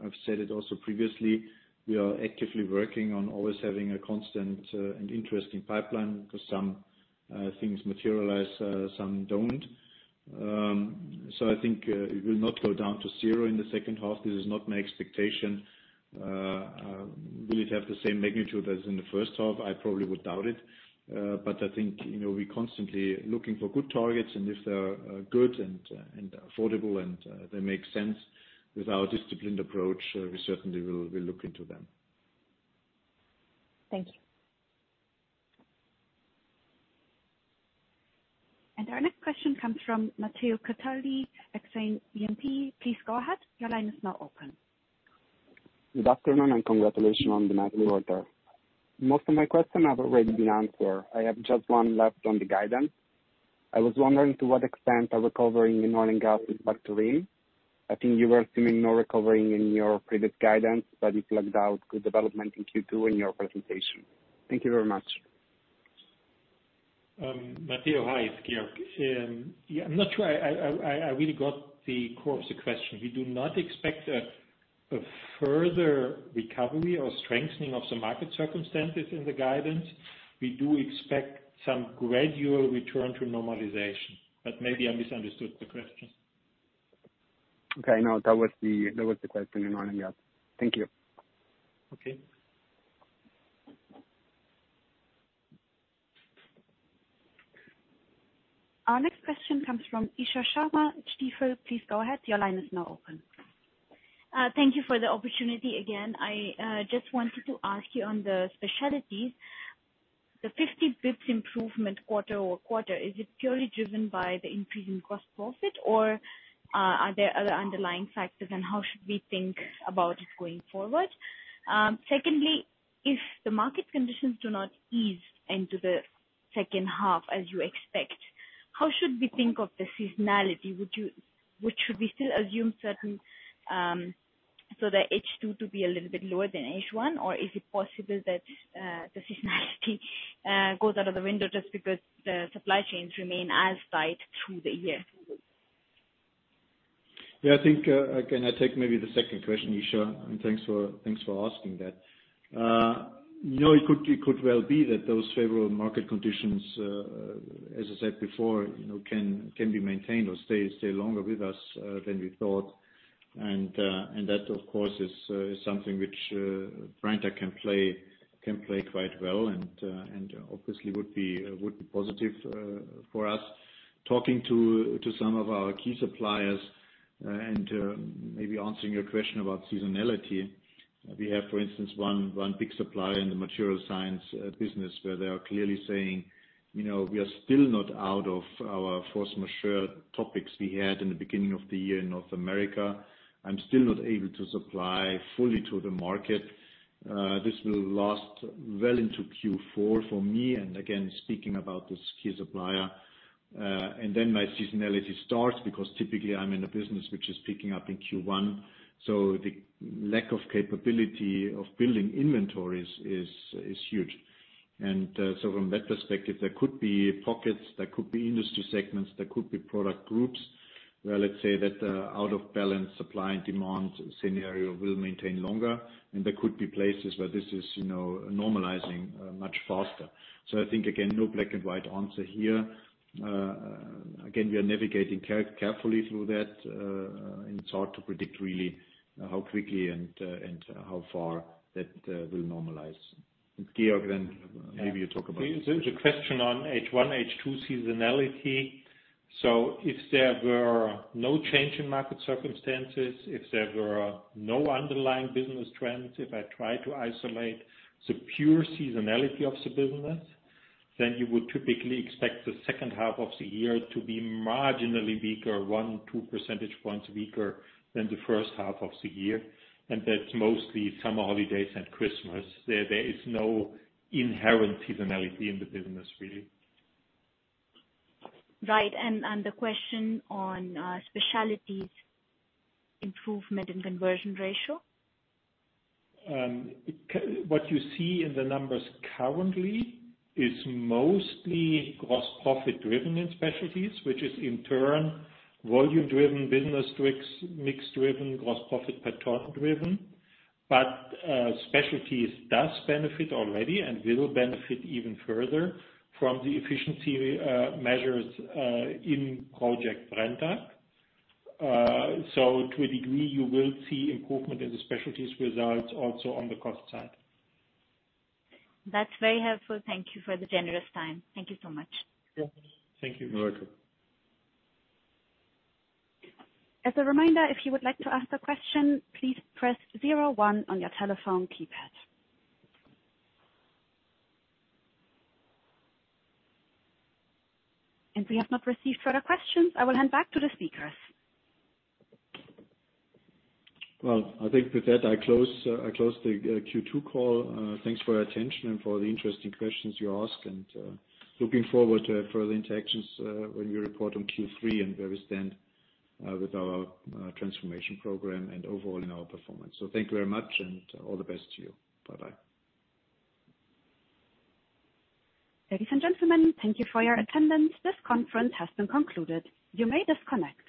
I've said it also previously, we are actively working on always having a constant and interesting pipeline because some things materialize, some don't. I think it will not go down to zero in the second half. This is not my expectation. Will it have the same magnitude as in the first half? I probably would doubt it. I think we're constantly looking for good targets, and if they are good and affordable and they make sense with our disciplined approach, we certainly will look into them. Thank you. Our next question comes from Matteo Cataldi, Exane BNP. Please go ahead. Your line is now open. Good afternoon. Congratulations on the monthly order. Most of my questions have already been answered. I have just one left on the guidance. I was wondering to what extent a recovery in oil and gas in factory. I think you were assuming no recovery in your previous guidance. You flagged out good development in Q2 in your presentation. Thank you very much. Matteo, hi, it's Georg. Yeah, I'm not sure I really got the core of the question. We do not expect a further recovery or strengthening of the market circumstances in the guidance. We do expect some gradual return to normalization. Maybe I misunderstood the question. Okay. No, that was the question in oil and gas. Thank you. Okay. Our next question comes from Isha Sharma, Stifel. Please go ahead. Your line is now open. Thank you for the opportunity again. I just wanted to ask you on the Specialties, the 50 basis points improvement quarter-over-quarter, is it purely driven by the increase in gross profit, or are there other underlying factors? How should we think about it going forward? Secondly, if the market conditions do not ease into the second half as you expect, how should we think of the seasonality? Should we still assume that H2 to be a little bit lower than H1? Is it possible that the seasonality goes out of the window just because the supply chains remain as tight through the year? I think I take maybe the second question, Isha, thanks for asking that. It could well be that those favorable market conditions, as I said before, can be maintained or stay longer with us than we thought. That, of course, is something which Brenntag can play quite well and obviously would be positive for us. Talking to some of our key suppliers and maybe answering your question about seasonality, we have, for instance, one big supplier in the material science business where they are clearly saying, "We are still not out of our force majeure topics we had in the beginning of the year in North America. I'm still not able to supply fully to the market. This will last well into Q4 for me." Again, speaking about this key supplier. My seasonality starts because typically I'm in a business which is picking up in Q1, so the lack of capability of building inventories is huge. From that perspective, there could be pockets, there could be industry segments, there could be product groups, where let's say that the out-of-balance supply and demand scenario will maintain longer, and there could be places where this is normalizing much faster. I think, again, no black and white answer here. We are navigating carefully through that, and it's hard to predict really how quickly and how far that will normalize. And Georg, then maybe you talk about. There is a question on H1, H2 seasonality. If there were no change in market circumstances, if there were no underlying business trends, if I try to isolate the pure seasonality of the business, you would typically expect the second half of the year to be marginally weaker, 1, 2 percentage points weaker than the first half of the year. That's mostly summer holidays and Christmas. There is no inherent seasonality in the business, really. Right. The question on Specialties improvement in conversion ratio? What you see in the numbers currently is mostly gross profit-driven in Specialties, which is in turn, volume-driven, business mix-driven, gross profit per ton-driven. Specialties does benefit already and will benefit even further from the efficiency measures in Project Brenntag. To a degree, you will see improvement in the Specialties results also on the cost side. That's very helpful. Thank you for your generous time. Thank you so much. Thank you. You're welcome. As a reminder, if you would like to ask a question, please press zero one on your telephone keypad. As we have not received further questions, I will hand back to the speakers. Well, I think with that, I close the Q2 call. Thanks for your attention and for the interesting questions you asked. Looking forward to further interactions when we report on Q3 and where we stand with our transformation program and overall in our performance. Thank you very much, and all the best to you. Bye-bye. Ladies and gentlemen, thank you for your attendance. This conference has been concluded. You may disconnect.